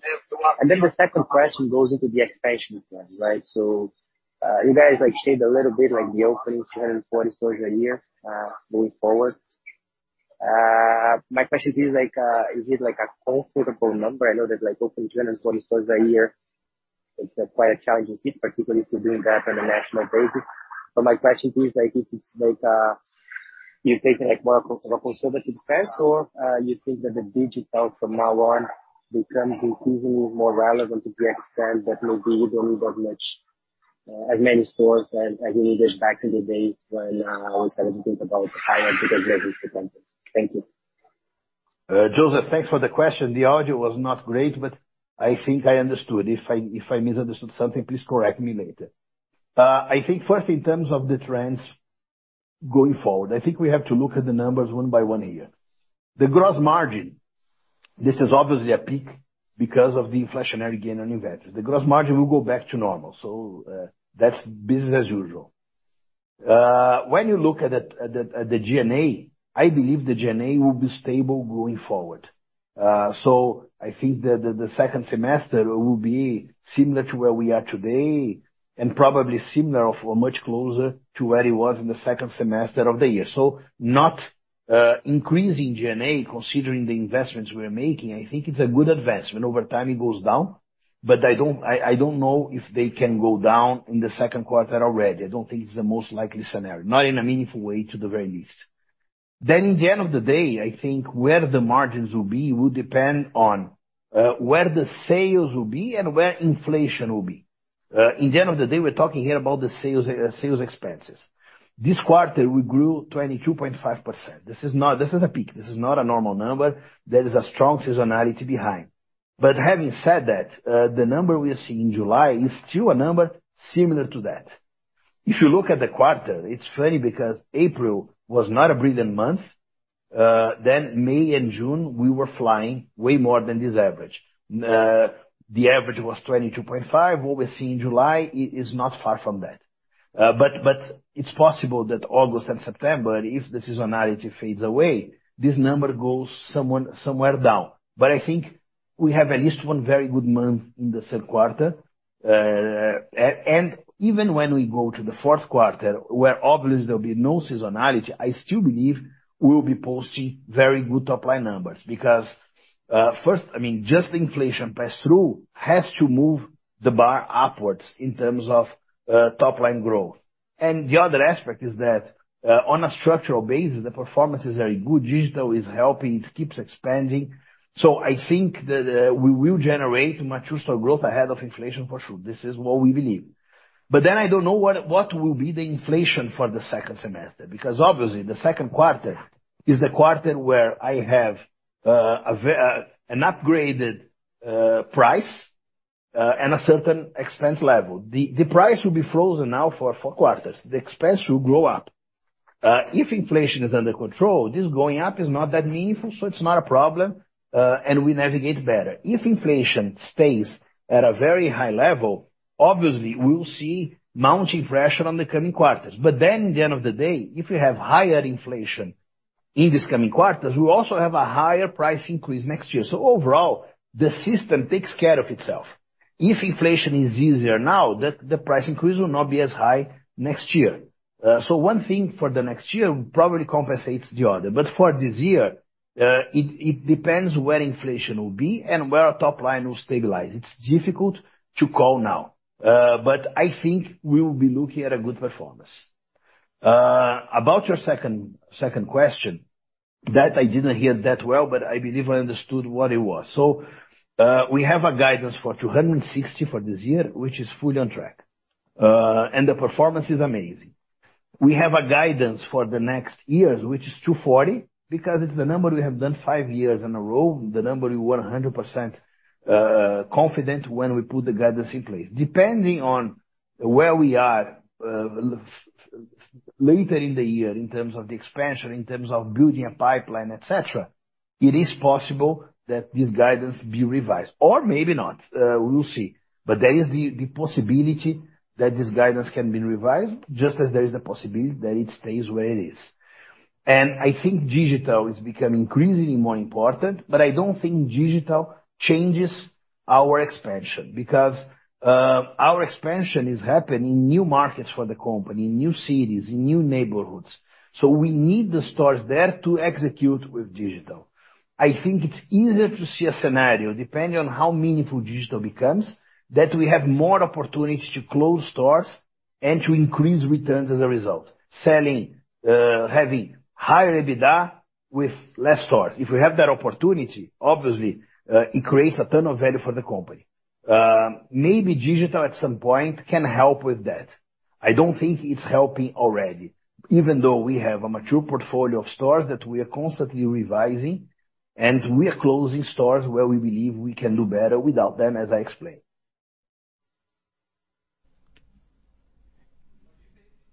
Then the second question goes into the expansion plan, right? You guys like shaded a little bit like the openings, 240 stores a year, moving forward. My question to you is like, is it like a comfortable number? I know that like opening 240 stores a year is quite a challenging feat, particularly if you're doing that on a national basis. My question to you is like, if it's like, you're taking like more of a conservative stance or, you think that the digital from now on becomes increasingly more relevant to the extent that maybe we don't need that much, as many stores as we did back in the day when we started to think about higher digital presence. Thank you. Joseph, thanks for the question. The audio was not great, but I think I understood. If I misunderstood something, please correct me later. I think first in terms of the trends going forward, I think we have to look at the numbers one by one year. The gross margin, this is obviously a peak because of the inflationary gain on inventories. The gross margin will go back to normal. That's business as usual. When you look at the G&A, I believe the G&A will be stable going forward. I think that the second semester will be similar to where we are today and probably similar or much closer to where it was in the second semester of the year. Not increasing G&A considering the investments we're making, I think it's a good advancement. Over time, it goes down, but I don't know if they can go down in the second quarter already. I don't think it's the most likely scenario, not in a meaningful way at the very least. At the end of the day, I think where the margins will be will depend on where the sales will be and where inflation will be. At the end of the day, we're talking here about the sales expenses. This quarter we grew 22.5%. This is not a normal number. There is a strong seasonality behind. Having said that, the number we are seeing in July is still a number similar to that. If you look at the quarter, it's funny because April was not a brilliant month, then May and June we were flying way more than this average. The average was 22.5. What we're seeing in July is not far from that. It's possible that August and September, if the seasonality fades away, this number goes somewhere down. I think we have at least one very good month in the third quarter. Even when we go to the fourth quarter, where obviously there'll be no seasonality, I still believe we'll be posting very good top line numbers. Because first, I mean, just the inflation pass-through has to move the bar upwards in terms of top line growth. The other aspect is that on a structural basis, the performance is very good. Digital is helping, it keeps expanding. I think that we will generate mature store growth ahead of inflation for sure. This is what we believe. I don't know what will be the inflation for the second semester, because obviously the second quarter is the quarter where I have an upgraded price and a certain expense level. The price will be frozen now for four quarters. The expense will grow up. If inflation is under control, this going up is not that meaningful, so it's not a problem and we navigate better. If inflation stays at a very high level, obviously we'll see mounting pressure on the coming quarters. In the end of the day, if we have higher inflation in this coming quarters, we also have a higher price increase next year. Overall, the system takes care of itself. If inflation is easier now, the price increase will not be as high next year. One thing for the next year will probably compensates the other. For this year, it depends where inflation will be and where our top line will stabilize. It's difficult to call now, but I think we'll be looking at a good performance. About your second question that I didn't hear that well, but I believe I understood what it was. We have a guidance for 260 for this year, which is fully on track, and the performance is amazing. We have a guidance for the next years, which is 240, because it's the number we have done five years in a row, the number we were 100% confident when we put the guidance in place. Depending on where we are later in the year in terms of the expansion, in terms of building a pipeline, et cetera, it is possible that this guidance be revised, or maybe not. We'll see. There is the possibility that this guidance can be revised just as there is the possibility that it stays where it is. I think digital is becoming increasingly more important, but I don't think digital changes our expansion because our expansion is happening in new markets for the company, in new cities, in new neighborhoods. We need the stores there to execute with digital. I think it's easier to see a scenario depending on how meaningful digital becomes, that we have more opportunities to close stores and to increase returns as a result, selling, having higher EBITDA with less stores. If we have that opportunity, obviously, it creates a ton of value for the company. Maybe digital at some point can help with that. I don't think it's helping already, even though we have a mature portfolio of stores that we are constantly revising, and we are closing stores where we believe we can do better without them, as I explained.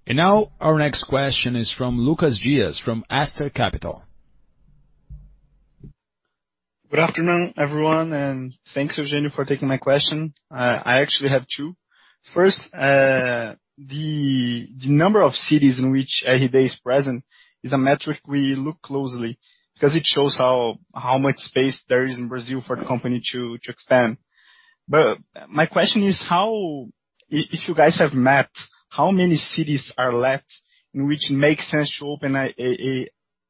Now our next question is from Lucas Dias from Aster Capital. Good afternoon, everyone, and thanks Eugenio for taking my question. I actually have two. First, the number of cities in which Raia is present is a metric we look closely, because it shows how much space there is in Brazil for the company to expand. My question is if you guys have mapped how many cities are left in which makes sense to open a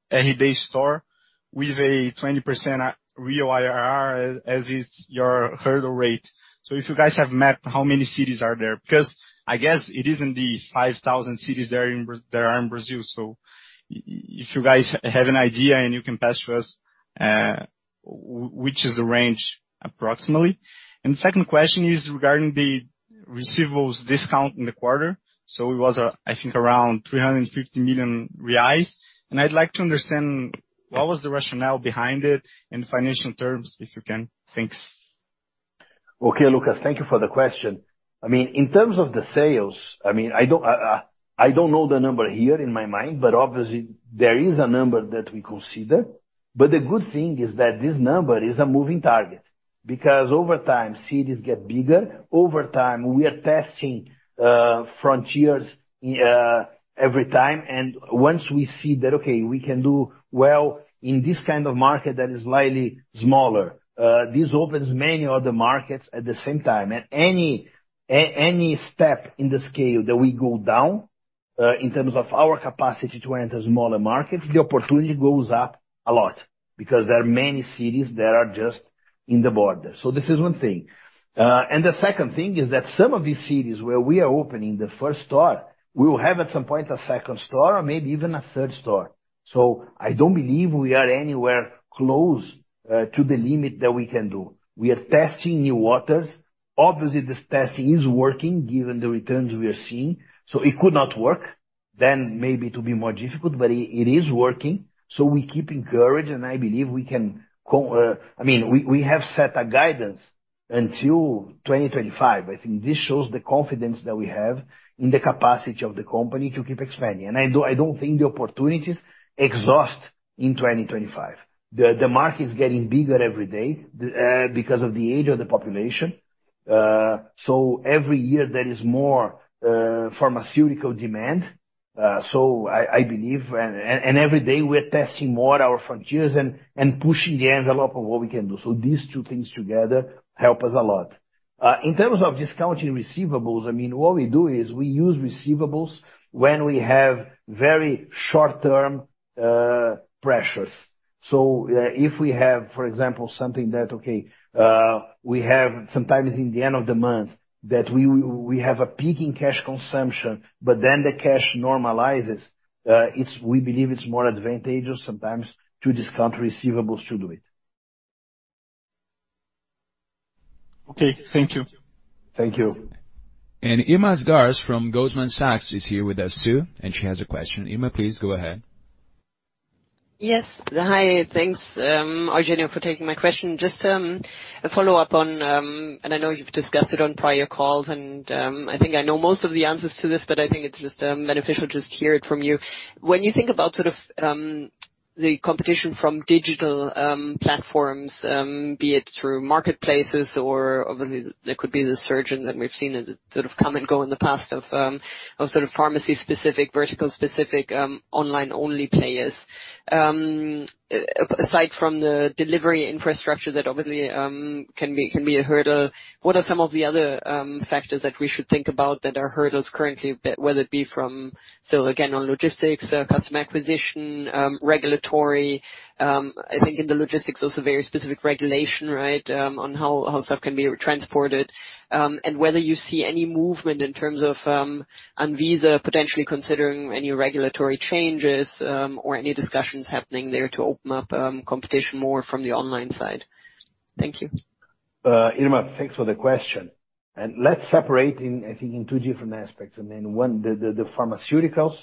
Raia store with a 20% real IRR as is your hurdle rate. If you guys have mapped how many cities are there? Because I guess it isn't the 5,000 cities there are in Brazil. If you guys have an idea and you can pass to us, which is the range approximately. Second question is regarding the receivables discount in the quarter. It was, I think around 350 million reais. I'd like to understand what was the rationale behind it in financial terms, if you can. Thanks. Okay, Lucas, thank you for the question. I mean, in terms of the sales, I mean, I don't know the number here in my mind, but obviously there is a number that we consider. The good thing is that this number is a moving target, because over time, cities get bigger. Over time, we are testing frontiers every time. Once we see that, okay, we can do well in this kind of market that is slightly smaller, this opens many other markets at the same time. At any step in the scale that we go down, in terms of our capacity to enter smaller markets, the opportunity goes up a lot because there are many cities that are just in the border. This is one thing. The second thing is that some of these cities where we are opening the first store, we will have at some point a second store or maybe even a third store. I don't believe we are anywhere close to the limit that we can do. We are testing new waters. Obviously, this testing is working given the returns we are seeing. It could not work then maybe to be more difficult, but it is working. We keep encouraged, and I believe we can. I mean, we have set a guidance until 2025. I think this shows the confidence that we have in the capacity of the company to keep expanding. I don't think the opportunities exhaust in 2025. The market is getting bigger every day because of the aging of the population. Every year there is more pharmaceutical demand. I believe every day we are testing more our frontiers and pushing the envelope of what we can do. These two things together help us a lot. In terms of discounting receivables, I mean, what we do is we use receivables when we have very short-term pressures. If we have, for example, sometimes in the end of the month that we have a peak in cash consumption, but then the cash normalizes, it's. We believe it's more advantageous sometimes to discount receivables to do it. Okay. Thank you. Thank you. Irma Sgarz from Goldman Sachs is here with us too, and she has a question. Irma, please go ahead. Yes. Hi. Thanks, Eugenio for taking my question. Just a follow-up on, and I know you've discussed it on prior calls, and I think I know most of the answers to this, but I think it's just beneficial to just hear it from you. When you think about sort of the competition from digital platforms, be it through marketplaces or obviously that could be the resurgence, and we've seen it sort of come and go in the past of sort of pharmacy-specific, vertical-specific, online-only players. Aside from the delivery infrastructure that obviously can be a hurdle, what are some of the other factors that we should think about that are hurdles currently, whether it be from, so again, on logistics, customer acquisition, regulatory, I think in the logistics, also very specific regulation, right, on how stuff can be transported, and whether you see any movement in terms of Anvisa potentially considering any regulatory changes, or any discussions happening there to open up competition more from the online side? Thank you. Irma, thanks for the question. Let's separate in, I think in two different aspects. I mean, one, the pharmaceuticals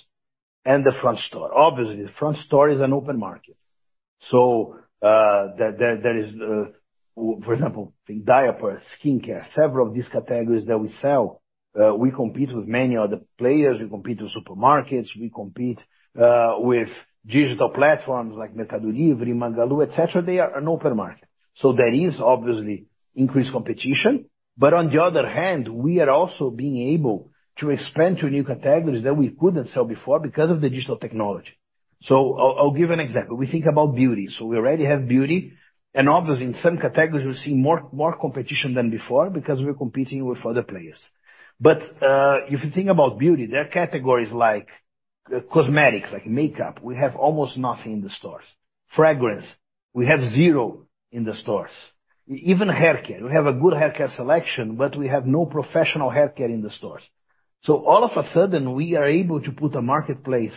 and the front store. Obviously, the front store is an open market. There is, for example, diaper, skincare, several of these categories that we sell. We compete with many other players, we compete with supermarkets, we compete with digital platforms like Mercado Livre, Magalu, et cetera. They are an open market. There is obviously increased competition. But on the other hand, we are also being able to expand to new categories that we couldn't sell before because of the digital technology. I'll give an example. We think about beauty. We already have beauty, and obviously in some categories, we're seeing more competition than before because we're competing with other players. If you think about beauty, there are categories like cosmetics like makeup. We have almost nothing in the stores. Fragrance, we have zero in the stores. Even haircare, we have a good haircare selection, but we have no professional haircare in the stores. All of a sudden, we are able to put a marketplace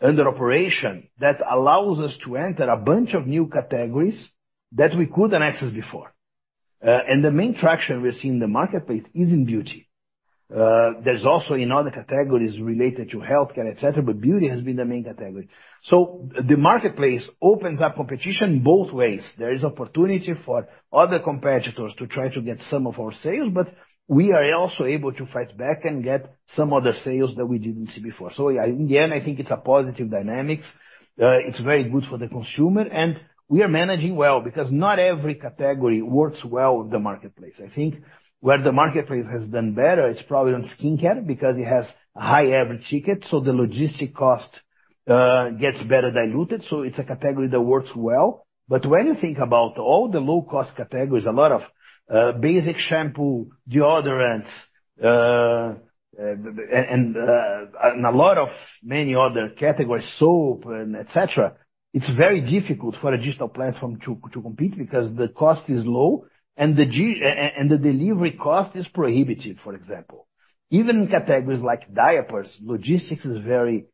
under operation that allows us to enter a bunch of new categories that we couldn't access before. And the main traction we're seeing in the marketplace is in beauty. There's also in other categories related to healthcare, et cetera, but beauty has been the main category. The marketplace opens up competition both ways. There is opportunity for other competitors to try to get some of our sales, but we are also able to fight back and get some of the sales that we didn't see before. Yeah, in the end, I think it's a positive dynamics. It's very good for the consumer, and we are managing well because not every category works well with the marketplace. I think where the marketplace has done better, it's probably on skincare because it has a high average ticket, so the logistic cost gets better diluted, so it's a category that works well. But when you think about all the low-cost categories, a lot of basic shampoo, deodorants, and a lot of other categories, soap and et cetera, it's very difficult for a digital platform to compete because the cost is low and the delivery cost is prohibitive, for example. Even in categories like diapers, logistics is very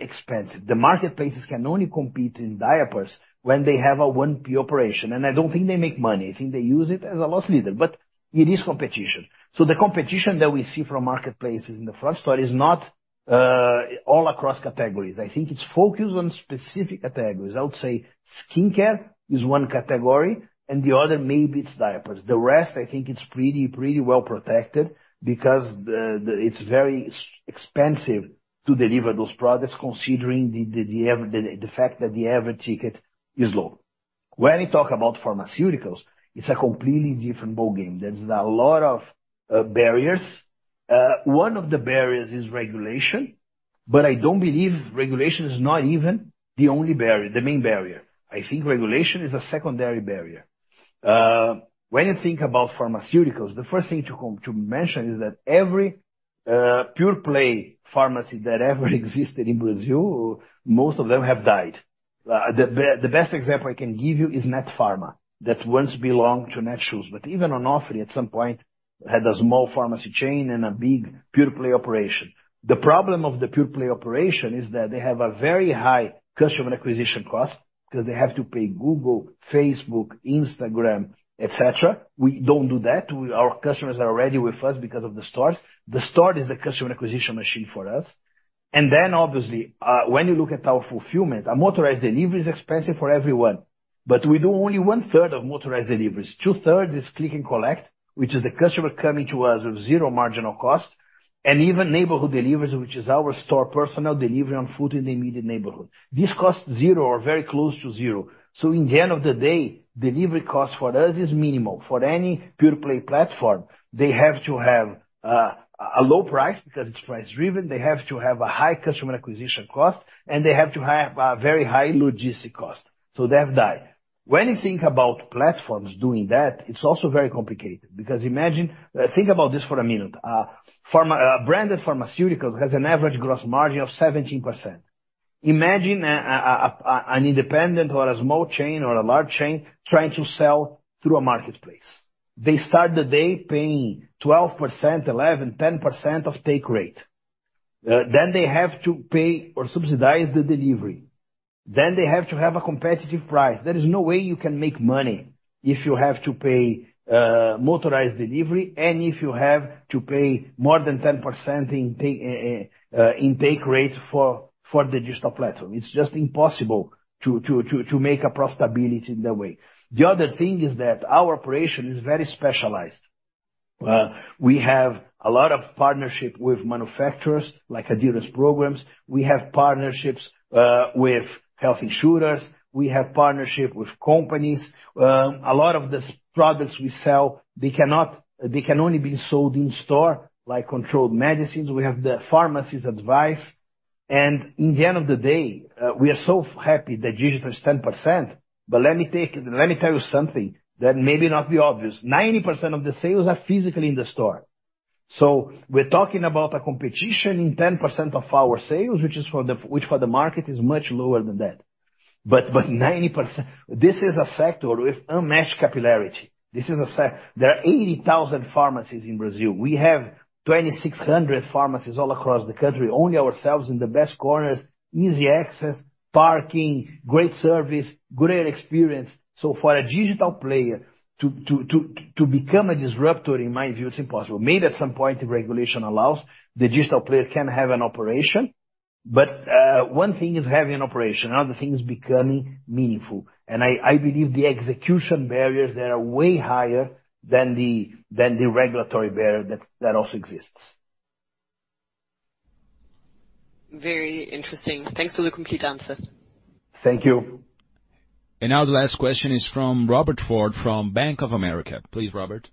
expensive. The marketplaces can only compete in diapers when they have a 1P operation, and I don't think they make money. I think they use it as a loss leader, but it is competition. The competition that we see from marketplaces in the front store is not all across categories. I think it's focused on specific categories. I would say skincare is one category, and the other, maybe it's diapers. The rest, I think it's pretty well-protected because it's very expensive to deliver those products considering the fact that the average ticket is low. When you talk about pharmaceuticals, it's a completely different ballgame. There's a lot of barriers. One of the barriers is regulation, but I don't believe regulation is not even the only barrier, the main barrier. I think regulation is a secondary barrier. When you think about pharmaceuticals, the first thing to mention is that every pure play pharmacy that ever existed in Brazil, most of them have died. The best example I can give you is Netfarma that once belonged to Netshoes, but even Onofre, at some point, had a small pharmacy chain and a big pure play operation. The problem of the pure play operation is that they have a very high customer acquisition cost because they have to pay Google, Facebook, Instagram, et cetera. We don't do that. Our customers are already with us because of the stores. The store is the customer acquisition machine for us. Obviously, when you look at our fulfillment, a motorized delivery is expensive for everyone, but we do only one-third of motorized deliveries. Two-thirds is click and collect, which is the customer coming to us with zero marginal cost and even neighborhood deliveries, which is our store personnel delivery on foot in the immediate neighborhood. This costs zero or very close to zero. In the end of the day, delivery cost for us is minimal. For any pure play platform, they have to have a low price because it's price driven, they have to have a high customer acquisition cost, and they have to have a very high logistics cost. They have died. When you think about platforms doing that, it's also very complicated because imagine, think about this for a minute. Branded pharmaceuticals has an average gross margin of 17%. Imagine an independent or a small chain or a large chain trying to sell through a marketplace. They start the day paying 12%, 11%, 10% of take rate. They have to pay or subsidize the delivery. They have to have a competitive price. There is no way you can make money if you have to pay motorized delivery and if you have to pay more than 10% in take rate for the digital platform. It's just impossible to make a profitability in that way. The other thing is that our operation is very specialized. We have a lot of partnership with manufacturers like adherence programs. We have partnerships with health insurers. We have partnership with companies. A lot of these products we sell, they can only be sold in store, like controlled medicines. We have the pharmacist's advice. In the end of the day, we are so happy that digital is 10%. Let me tell you something that maybe not be obvious. 90% of the sales are physically in the store. We're talking about a competition in 10% of our sales, which for the market is much lower than that. 90% this is a sector with unmatched capillarity. There are 80,000 pharmacies in Brazil. We have 2,600 pharmacies all across the country, only ourselves in the best corners, easy access, parking, great service, great experience. For a digital player to become a disruptor, in my view, it's impossible. Maybe at some point, if regulation allows, the digital player can have an operation. One thing is having an operation, another thing is becoming meaningful. I believe the execution barriers, they are way higher than the regulatory barrier that also exists. Very interesting. Thanks for the complete answer. Thank you. Now the last question is from Robert Ford from Bank of America. Please, Robert.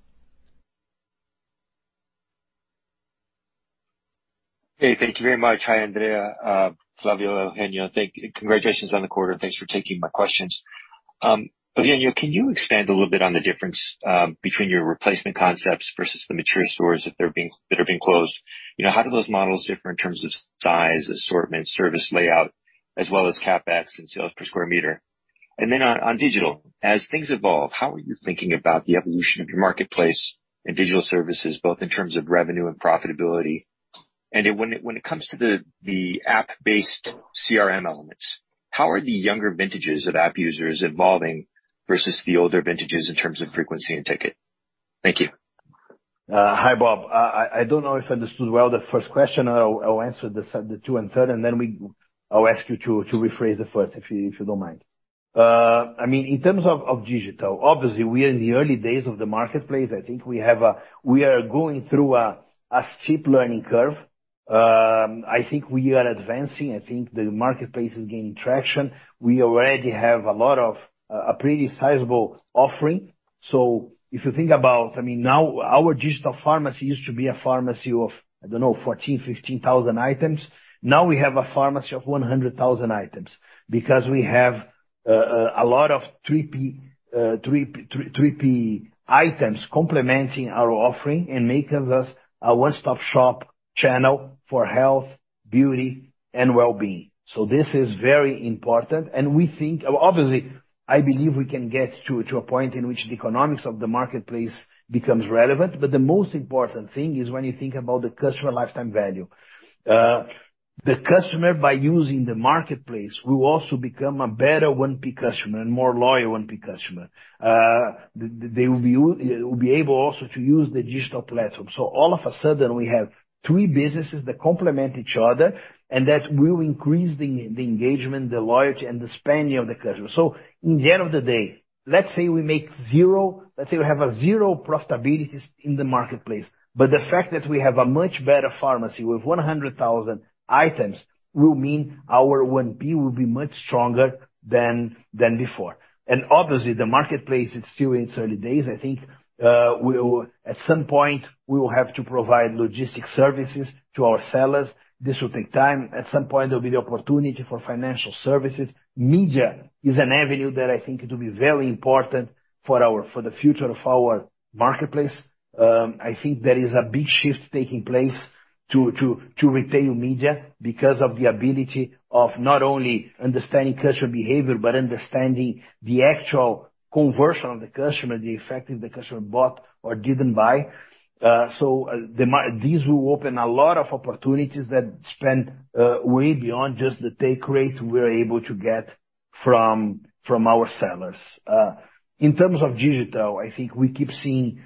Hey, thank you very much. Hi, Andrea, Flavio, Eugenio. Thank you. Congratulations on the quarter, and thanks for taking my questions. Eugenio, can you expand a little bit on the difference between your replacement concepts versus the mature stores that are being closed? You know, how do those models differ in terms of size, assortment, service layout, as well as CapEx and sales per square meter? And then on digital, as things evolve, how are you thinking about the evolution of your marketplace and digital services, both in terms of revenue and profitability? And when it comes to the app-based CRM elements, how are the younger vintages of app users evolving versus the older vintages in terms of frequency and ticket? Thank you. Hi, Bob. I don't know if I understood well the first question. I'll answer the second and third, and then I'll ask you to rephrase the first, if you don't mind. I mean, in terms of digital, obviously we are in the early days of the marketplace. I think we are going through a steep learning curve. I think we are advancing. I think the marketplace is gaining traction. We already have a pretty sizable offering. So, if you think about, I mean, now our digital pharmacy used to be a pharmacy of, I don't know, 14,000, 15,000 items. Now we have a pharmacy of 100,000 items because we have a lot of 3P items complementing our offering and making us a one-stop shop channel for health, beauty, and wellbeing. This is very important and we think. Obviously, I believe we can get to a point in which the economics of the marketplace becomes relevant, but the most important thing is when you think about the customer lifetime value. The customer by using the marketplace will also become a better 1P customer and more loyal 1P customer. They will be able also to use the digital platform. All of a sudden we have three businesses that complement each other and that will increase the engagement, the loyalty, and the spending of the customer. In the end of the day, let's say we have zero profitability in the marketplace, but the fact that we have a much better pharmacy with 100,000 items will mean our 1P will be much stronger than before. Obviously, the marketplace is still in its early days. I think at some point we will have to provide logistics services to our sellers. This will take time. At some point, there'll be the opportunity for financial services. Media is an avenue that I think it will be very important for the future of our marketplace. I think there is a big shift taking place to retail media because of the ability of not only understanding customer behavior, but understanding the actual conversion of the customer, the effect if the customer bought or didn't buy. These will open a lot of opportunities that spend way beyond just the take rate we're able to get from our sellers. In terms of digital, I think we keep seeing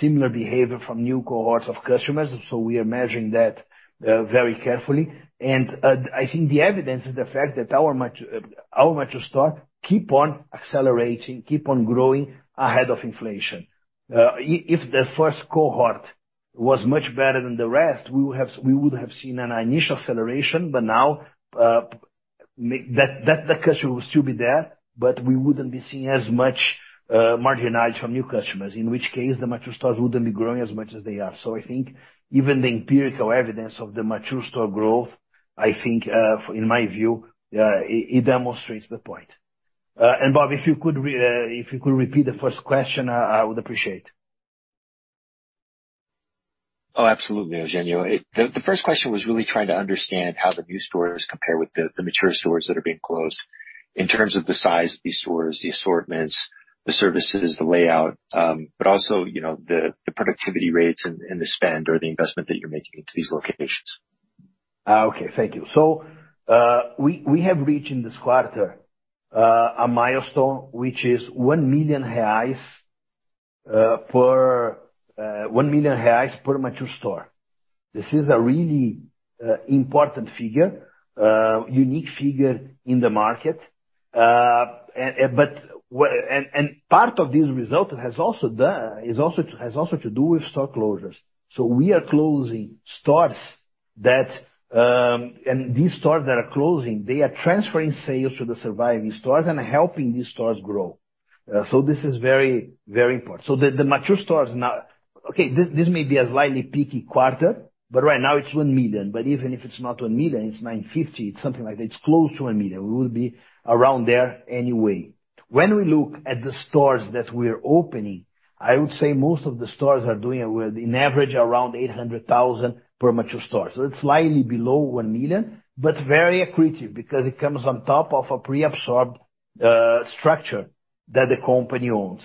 similar behavior from new cohorts of customers, so we are measuring that very carefully. I think the evidence is the fact that our mature store keep on accelerating, keep on growing ahead of inflation. If the first cohort was much better than the rest, we would have seen an initial acceleration, but now, that customer will still be there, but we wouldn't be seeing as much marginalization from new customers. In which case, the mature stores wouldn't be growing as much as they are. I think even the empirical evidence of the mature store growth, I think, in my view, it demonstrates the point. Bob, if you could repeat the first question, I would appreciate. Oh, absolutely, Eugenio. The first question was really trying to understand how the new stores compare with the mature stores that are being closed in terms of the size of these stores, the assortments, the services, the layout, but also, you know, the productivity rates and the spend or the investment that you're making into these locations. Okay. Thank you. We have reached in this quarter a milestone which is 1 million reais per mature store. This is a really important figure, unique figure in the market. Part of this result has also to do with store closures. We are closing stores that are closing, they are transferring sales to the surviving stores and helping these stores grow. This is very, very important. The mature stores now. This may be a slightly peaky quarter, but right now it's 1 million. Even if it's not 1 million, it's 950,000, it's something like that. It's close to 1 million. We will be around there anyway. When we look at the stores that we're opening, I would say most of the stores are doing what? On average, around 800,000 per mature store. It's slightly below 1 million, but very accretive because it comes on top of a pre-absorbed structure that the company owns.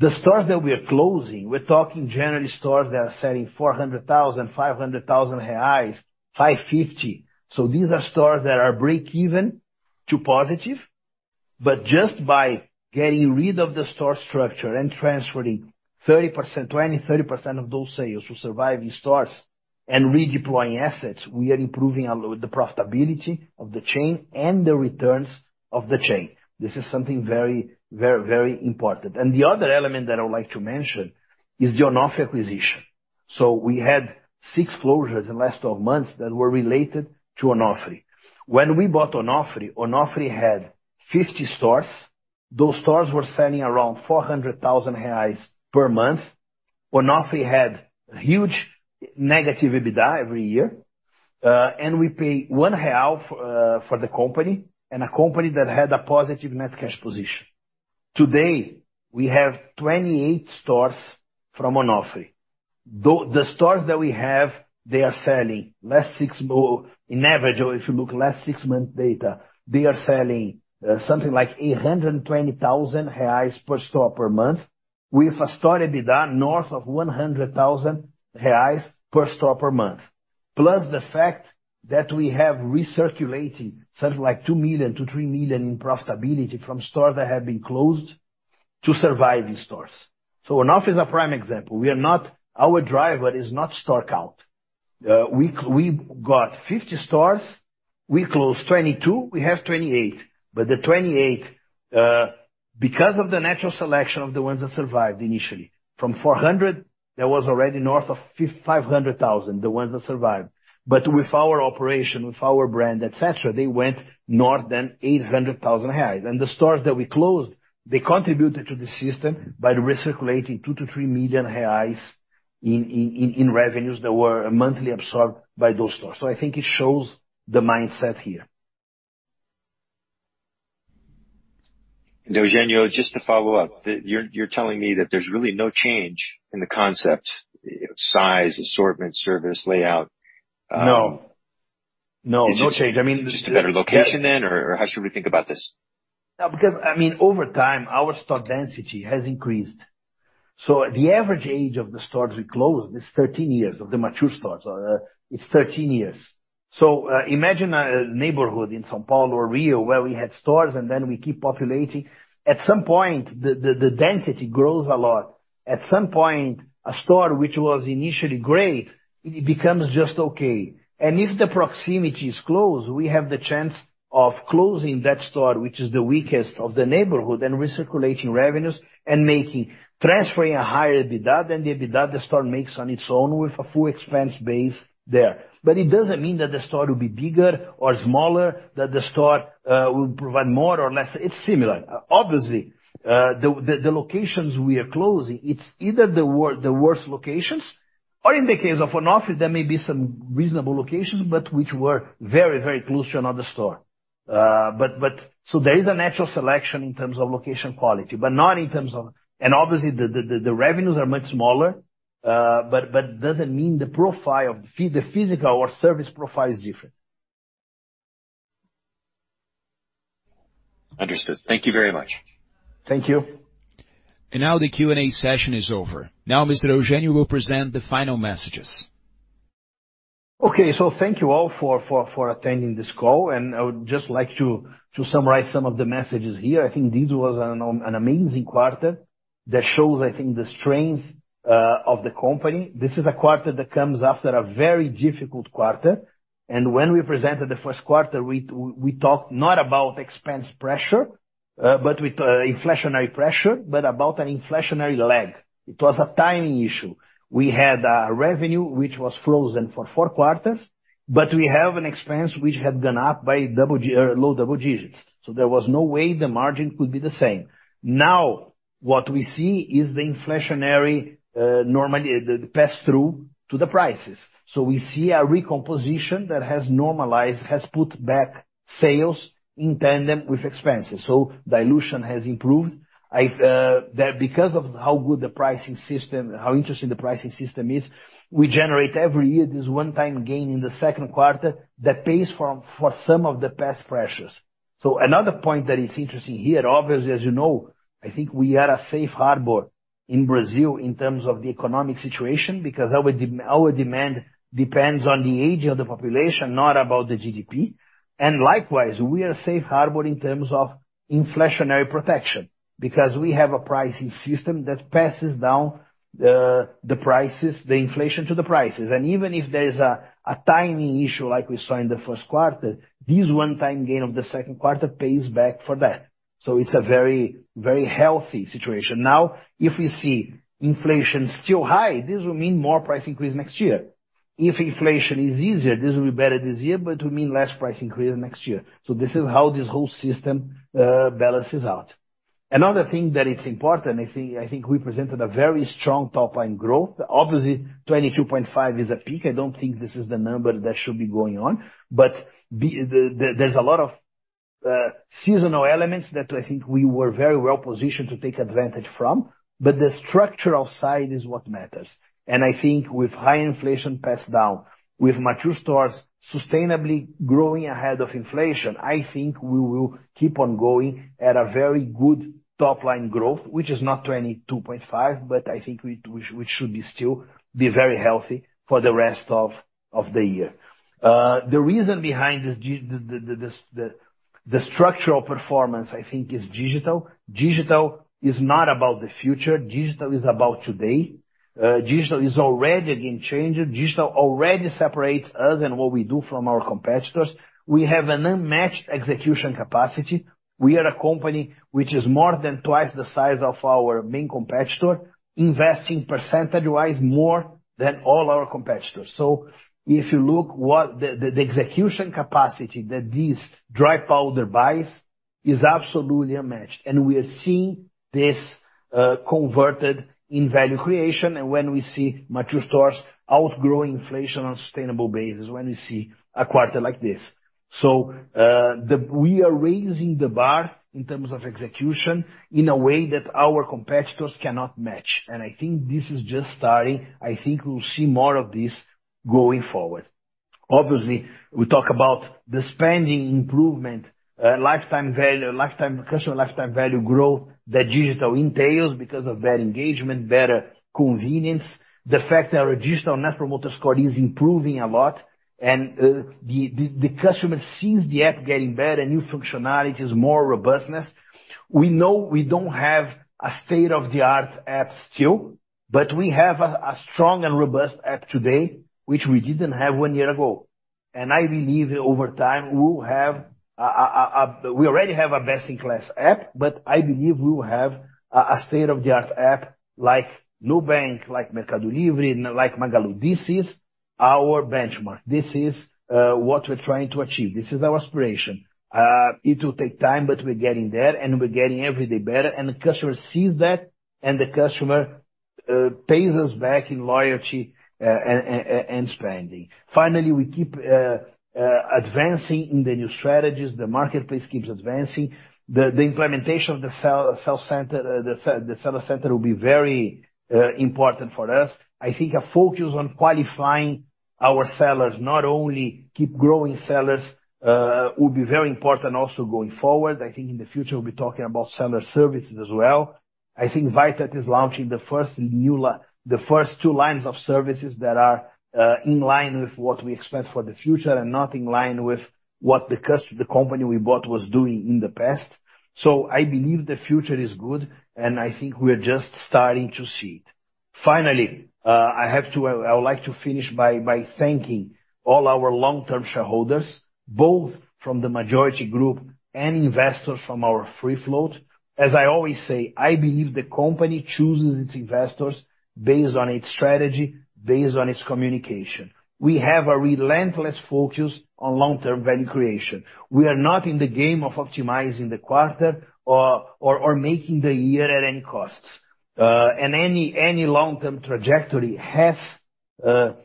The stores that we are closing, we're talking generally stores that are selling 400,000, 500,000 reais, 550,000. These are stores that are breakeven to positive, but just by getting rid of the store structure and transferring 30%, 20%-30% of those sales to surviving stores and redeploying assets, we are improving the profitability of the chain and the returns of the chain. This is something very, very, very important. The other element that I would like to mention is the Onofre acquisition. We had six closures in the last 12 months that were related to Onofre. When we bought Onofre had 50 stores. Those stores were selling around 400,000 reais per month. Onofre had huge negative EBITDA every year. We paid 1 real for the company and a company that had a positive net cash position. Today, we have 28 stores from Onofre. The stores that we have, they are selling on average or if you look last six months data, they are selling something like 820,000 reais per store per month with a store EBITDA north of 100,000 reais per store per month. Plus the fact that we have reallocating something like 2 million-3 million in profitability from stores that have been closed to surviving stores. Onofre is a prime example. Our driver is not stock out. We got 50 stores, we closed 22, we have 28. The 28, because of the natural selection of the ones that survived initially fromBRL 400,000, that was already north of 500,000, the ones that survived. With our operation, with our brand, et cetera, they went north of 800,000 reais. The stores that we closed, they contributed to the system by recirculating 2 million-3 million reais in revenues that were monthly absorbed by those stores. I think it shows the mindset here. Eugênio, just to follow up. You're telling me that there's really no change in the concept, size, assortment, service, layout. No, no change. I mean. Just a better location then, or how should we think about this? No, because I mean, over time, our store density has increased. The average age of the stores we closed is 13 years, of the mature stores, it's 13 years. Imagine a neighborhood in São Paulo or Rio where we had stores and then we keep populating. At some point, the density grows a lot. At some point, a store which was initially great, it becomes just okay. If the proximity is closed, we have the chance of closing that store, which is the weakest of the neighborhood, and recirculating revenues and making transferring a higher EBITDA than the EBITDA the store makes on its own with a full expense base there. It doesn't mean that the store will be bigger or smaller, that the store, will provide more or less. It's similar. Obviously, the locations we are closing, it's either the worst locations or in the case of Onofre, there may be some reasonable locations, but which were very close to another store. But so there is a natural selection in terms of location quality, but not in terms of. Obviously the revenues are much smaller, but doesn't mean the profile of the physical or service profile is different. Understood. Thank you very much. Thank you. Now the Q&A session is over. Now, Mr. Eugenio will present the final messages. Okay. Thank you all for attending this call. I would just like to summarize some of the messages here. I think this was an amazing quarter that shows, I think, the strength of the company. This is a quarter that comes after a very difficult quarter. When we presented the first quarter, we talked not about expense pressure but about an inflationary lag. It was a timing issue. We had revenue which was frozen for four quarters, but we have an expense which had gone up by low double digits. There was no way the margin could be the same. Now, what we see is the inflation normally pass through to the prices. We see a recomposition that has normalized, has put back sales in tandem with expenses. Dilution has improved. I've because of how good the pricing system, how interesting the pricing system is, we generate every year this one-time gain in the second quarter that pays for some of the past pressures. Another point that is interesting here, obviously, as you know, I think we are a safe harbor in Brazil in terms of the economic situation because our demand depends on the age of the population, not about the GDP. Likewise, we are safe harbor in terms of inflationary protection because we have a pricing system that passes down the prices, the inflation to the prices. Even if there is a timing issue like we saw in the first quarter, this one time gain of the second quarter pays back for that. It's a very, very healthy situation. Now, if we see inflation still high, this will mean more price increase next year. If inflation is easier, this will be better this year, but it will mean less price increase next year. This is how this whole system balances out. Another thing that is important, I think we presented a very strong top line growth. Obviously, 22.5% is a peak. I don't think this is the number that should be going on. There, there's a lot of seasonal elements that I think we were very well-positioned to take advantage from. The structural side is what matters. I think with high inflation passed down, with mature stores sustainably growing ahead of inflation, I think we will keep on going at a very good top line growth, which is not 22.5%, but I think which should still be very healthy for the rest of the year. The reason behind this the structural performance, I think is digital. Digital is not about the future. Digital is about today. Digital is already a game changer. Digital already separates us and what we do from our competitors. We have an unmatched execution capacity. We are a company which is more than twice the size of our main competitor, investing percentage-wise more than all our competitors. If you look what the execution capacity that these dry powder buys is absolutely unmatched. We are seeing this converted in value creation and when we see mature stores outgrowing inflation on sustainable basis, when we see a quarter like this. We are raising the bar in terms of execution in a way that our competitors cannot match. I think this is just starting. I think we'll see more of this going forward. Obviously, we talk about the spending improvement, customer lifetime value growth that digital entails because of better engagement, better convenience. The fact that our digital net promoter score is improving a lot and the customer sees the app getting better, new functionalities, more robustness. We know we don't have a state-of-the-art app still, but we have a strong and robust app today, which we didn't have one year ago. I believe over time, we will have. We already have a best-in-class app, but I believe we will have a state-of-the-art app like Nubank, like Mercado Livre, like Magalu. This is our benchmark. This is what we're trying to achieve. This is our aspiration. It will take time, but we're getting there, and we're getting every day better, and the customer sees that, and the customer pays us back in loyalty and spending. Finally, we keep advancing in the new strategies. The marketplace keeps advancing. The implementation of the seller center will be very important for us. I think a focus on qualifying our sellers, not only keep growing sellers, will be very important also going forward. I think in the future we'll be talking about seller services as well. I think Vitat is launching the first two lines of services that are in line with what we expect for the future and not in line with what the company we bought was doing in the past. I believe the future is good, and I think we're just starting to see it. Finally, I would like to finish by thanking all our long-term shareholders, both from the majority group and investors from our free float. As I always say, I believe the company chooses its investors based on its strategy, based on its communication. We have a relentless focus on long-term value creation. We are not in the game of optimizing the quarter or making the year at any costs. Any long-term trajectory has and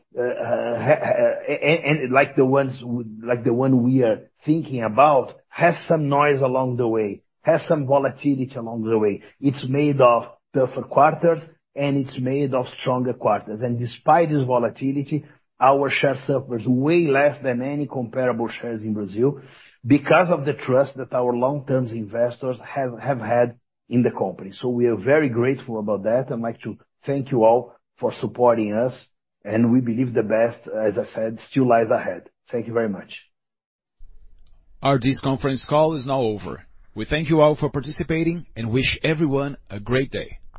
like the one we are thinking about, has some noise along the way, has some volatility along the way. It's made of tougher quarters, and it's made of stronger quarters. Despite this volatility, our share suffers way less than any comparable shares in Brazil because of the trust that our long-term investors have had in the company. We are very grateful about that. I'd like to thank you all for supporting us, and we believe the best, as I said, still lies ahead. Thank you very much. Our conference call is now over. We thank you all for participating and wish everyone a great day.